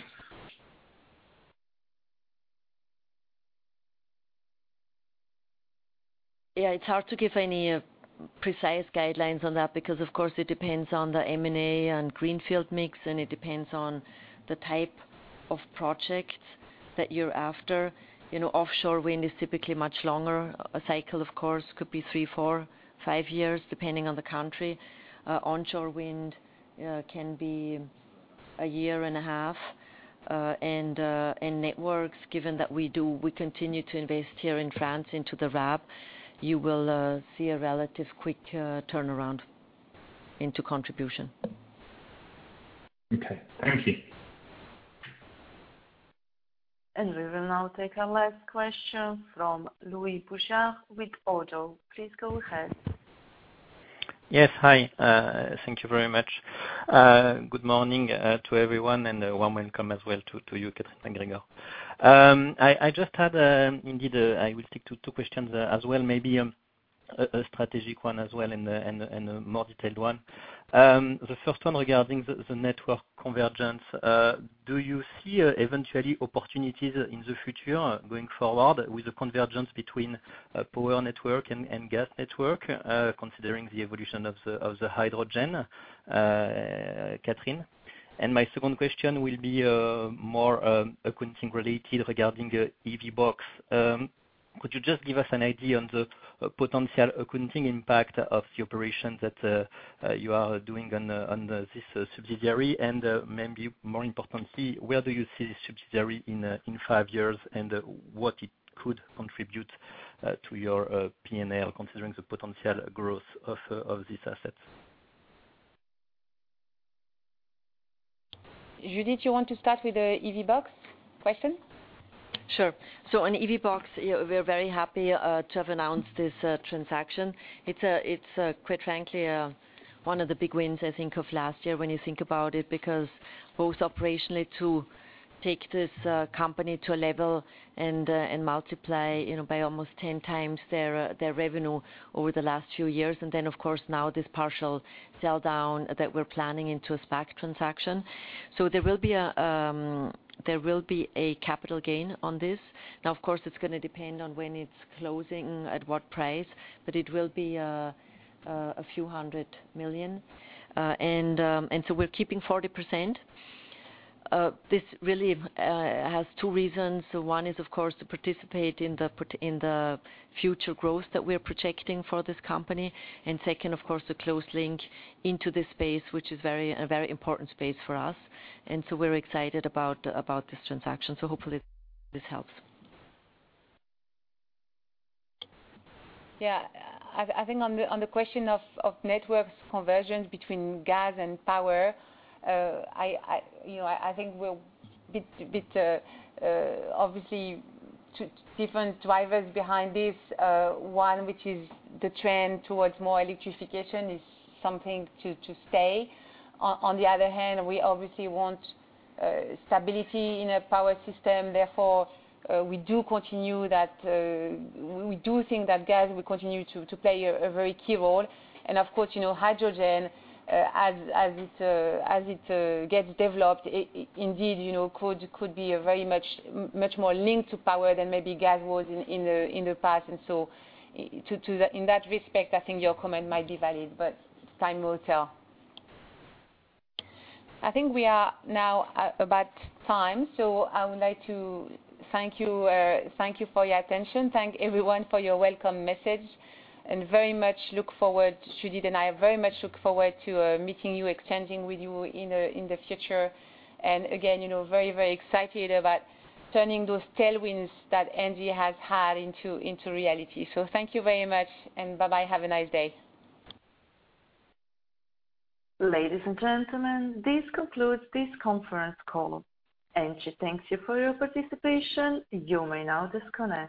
Yeah. It's hard to give any precise guidelines on that because, of course, it depends on the M&A and greenfield mix, and it depends on the type of project that you're after. Offshore wind is typically much longer. A cycle, of course, could be three, four, five years, depending on the country. Onshore wind can be a year and a half. And Networks, given that we continue to invest here in France into the RAB, you will see a relatively quick turnaround into contribution. Okay. Thank you. And we will now take our last question from Louis Boujard with ODDO. Please go ahead. Yes. Hi. Thank you very much. Good morning to everyone and a warm welcome as well to you, Catherine MacGregor. I just had, indeed, I will stick to two questions as well, maybe a strategic one as well and a more detailed one. The first one regarding the network convergence. Do you see eventually opportunities in the future going forward with the convergence between power network and gas network, considering the evolution of the hydrogen, Catherine? And my second question will be more accounting-related regarding EVBox. Could you just give us an idea on the potential accounting impact of the operation that you are doing on this subsidiary? And maybe more importantly, where do you see this subsidiary in five years and what it could contribute to your P&L, considering the potential growth of this asset? Judith, you want to start with the EVBox question? Sure. So, on EVBox, we're very happy to have announced this transaction. It's, quite frankly, one of the big wins, I think, of last year when you think about it because both operationally to take this company to a level and multiply by almost 10x their revenue over the last few years. And then, of course, now this partial sell-down that we're planning into a SPAC transaction. So, there will be a capital gain on this. Now, of course, it's going to depend on when it's closing, at what price, but it will be a few hundred million, and so we're keeping 40%. This really has two reasons. One is, of course, to participate in the future growth that we're projecting for this company, and second, of course, a close link into this space, which is a very important space for us, and so we're excited about this transaction, so hopefully this helps. Yeah, I think on the question of networks convergence between gas and power, I think we're a bit obviously different drivers behind this. One, which is the trend towards more electrification, is something to stay. On the other hand, we obviously want stability in a power system. Therefore, we do continue that we do think that gas will continue to play a very key role. Of course, hydrogen, as it gets developed, indeed, could be very much more linked to power than maybe gas was in the past. In that respect, I think your comment might be valid, but time will tell. I think we are now out of time. I would like to thank you for your attention. Thank everyone for your welcome message. Judith and I very much look forward to meeting you, exchanging with you in the future. Again, very, very excited about turning those tailwinds that ENGIE has had into reality. Thank you very much. And bye-bye. Have a nice day. Ladies and gentlemen, this concludes this conference call. ENGIE thanks you for your participation. You may now disconnect.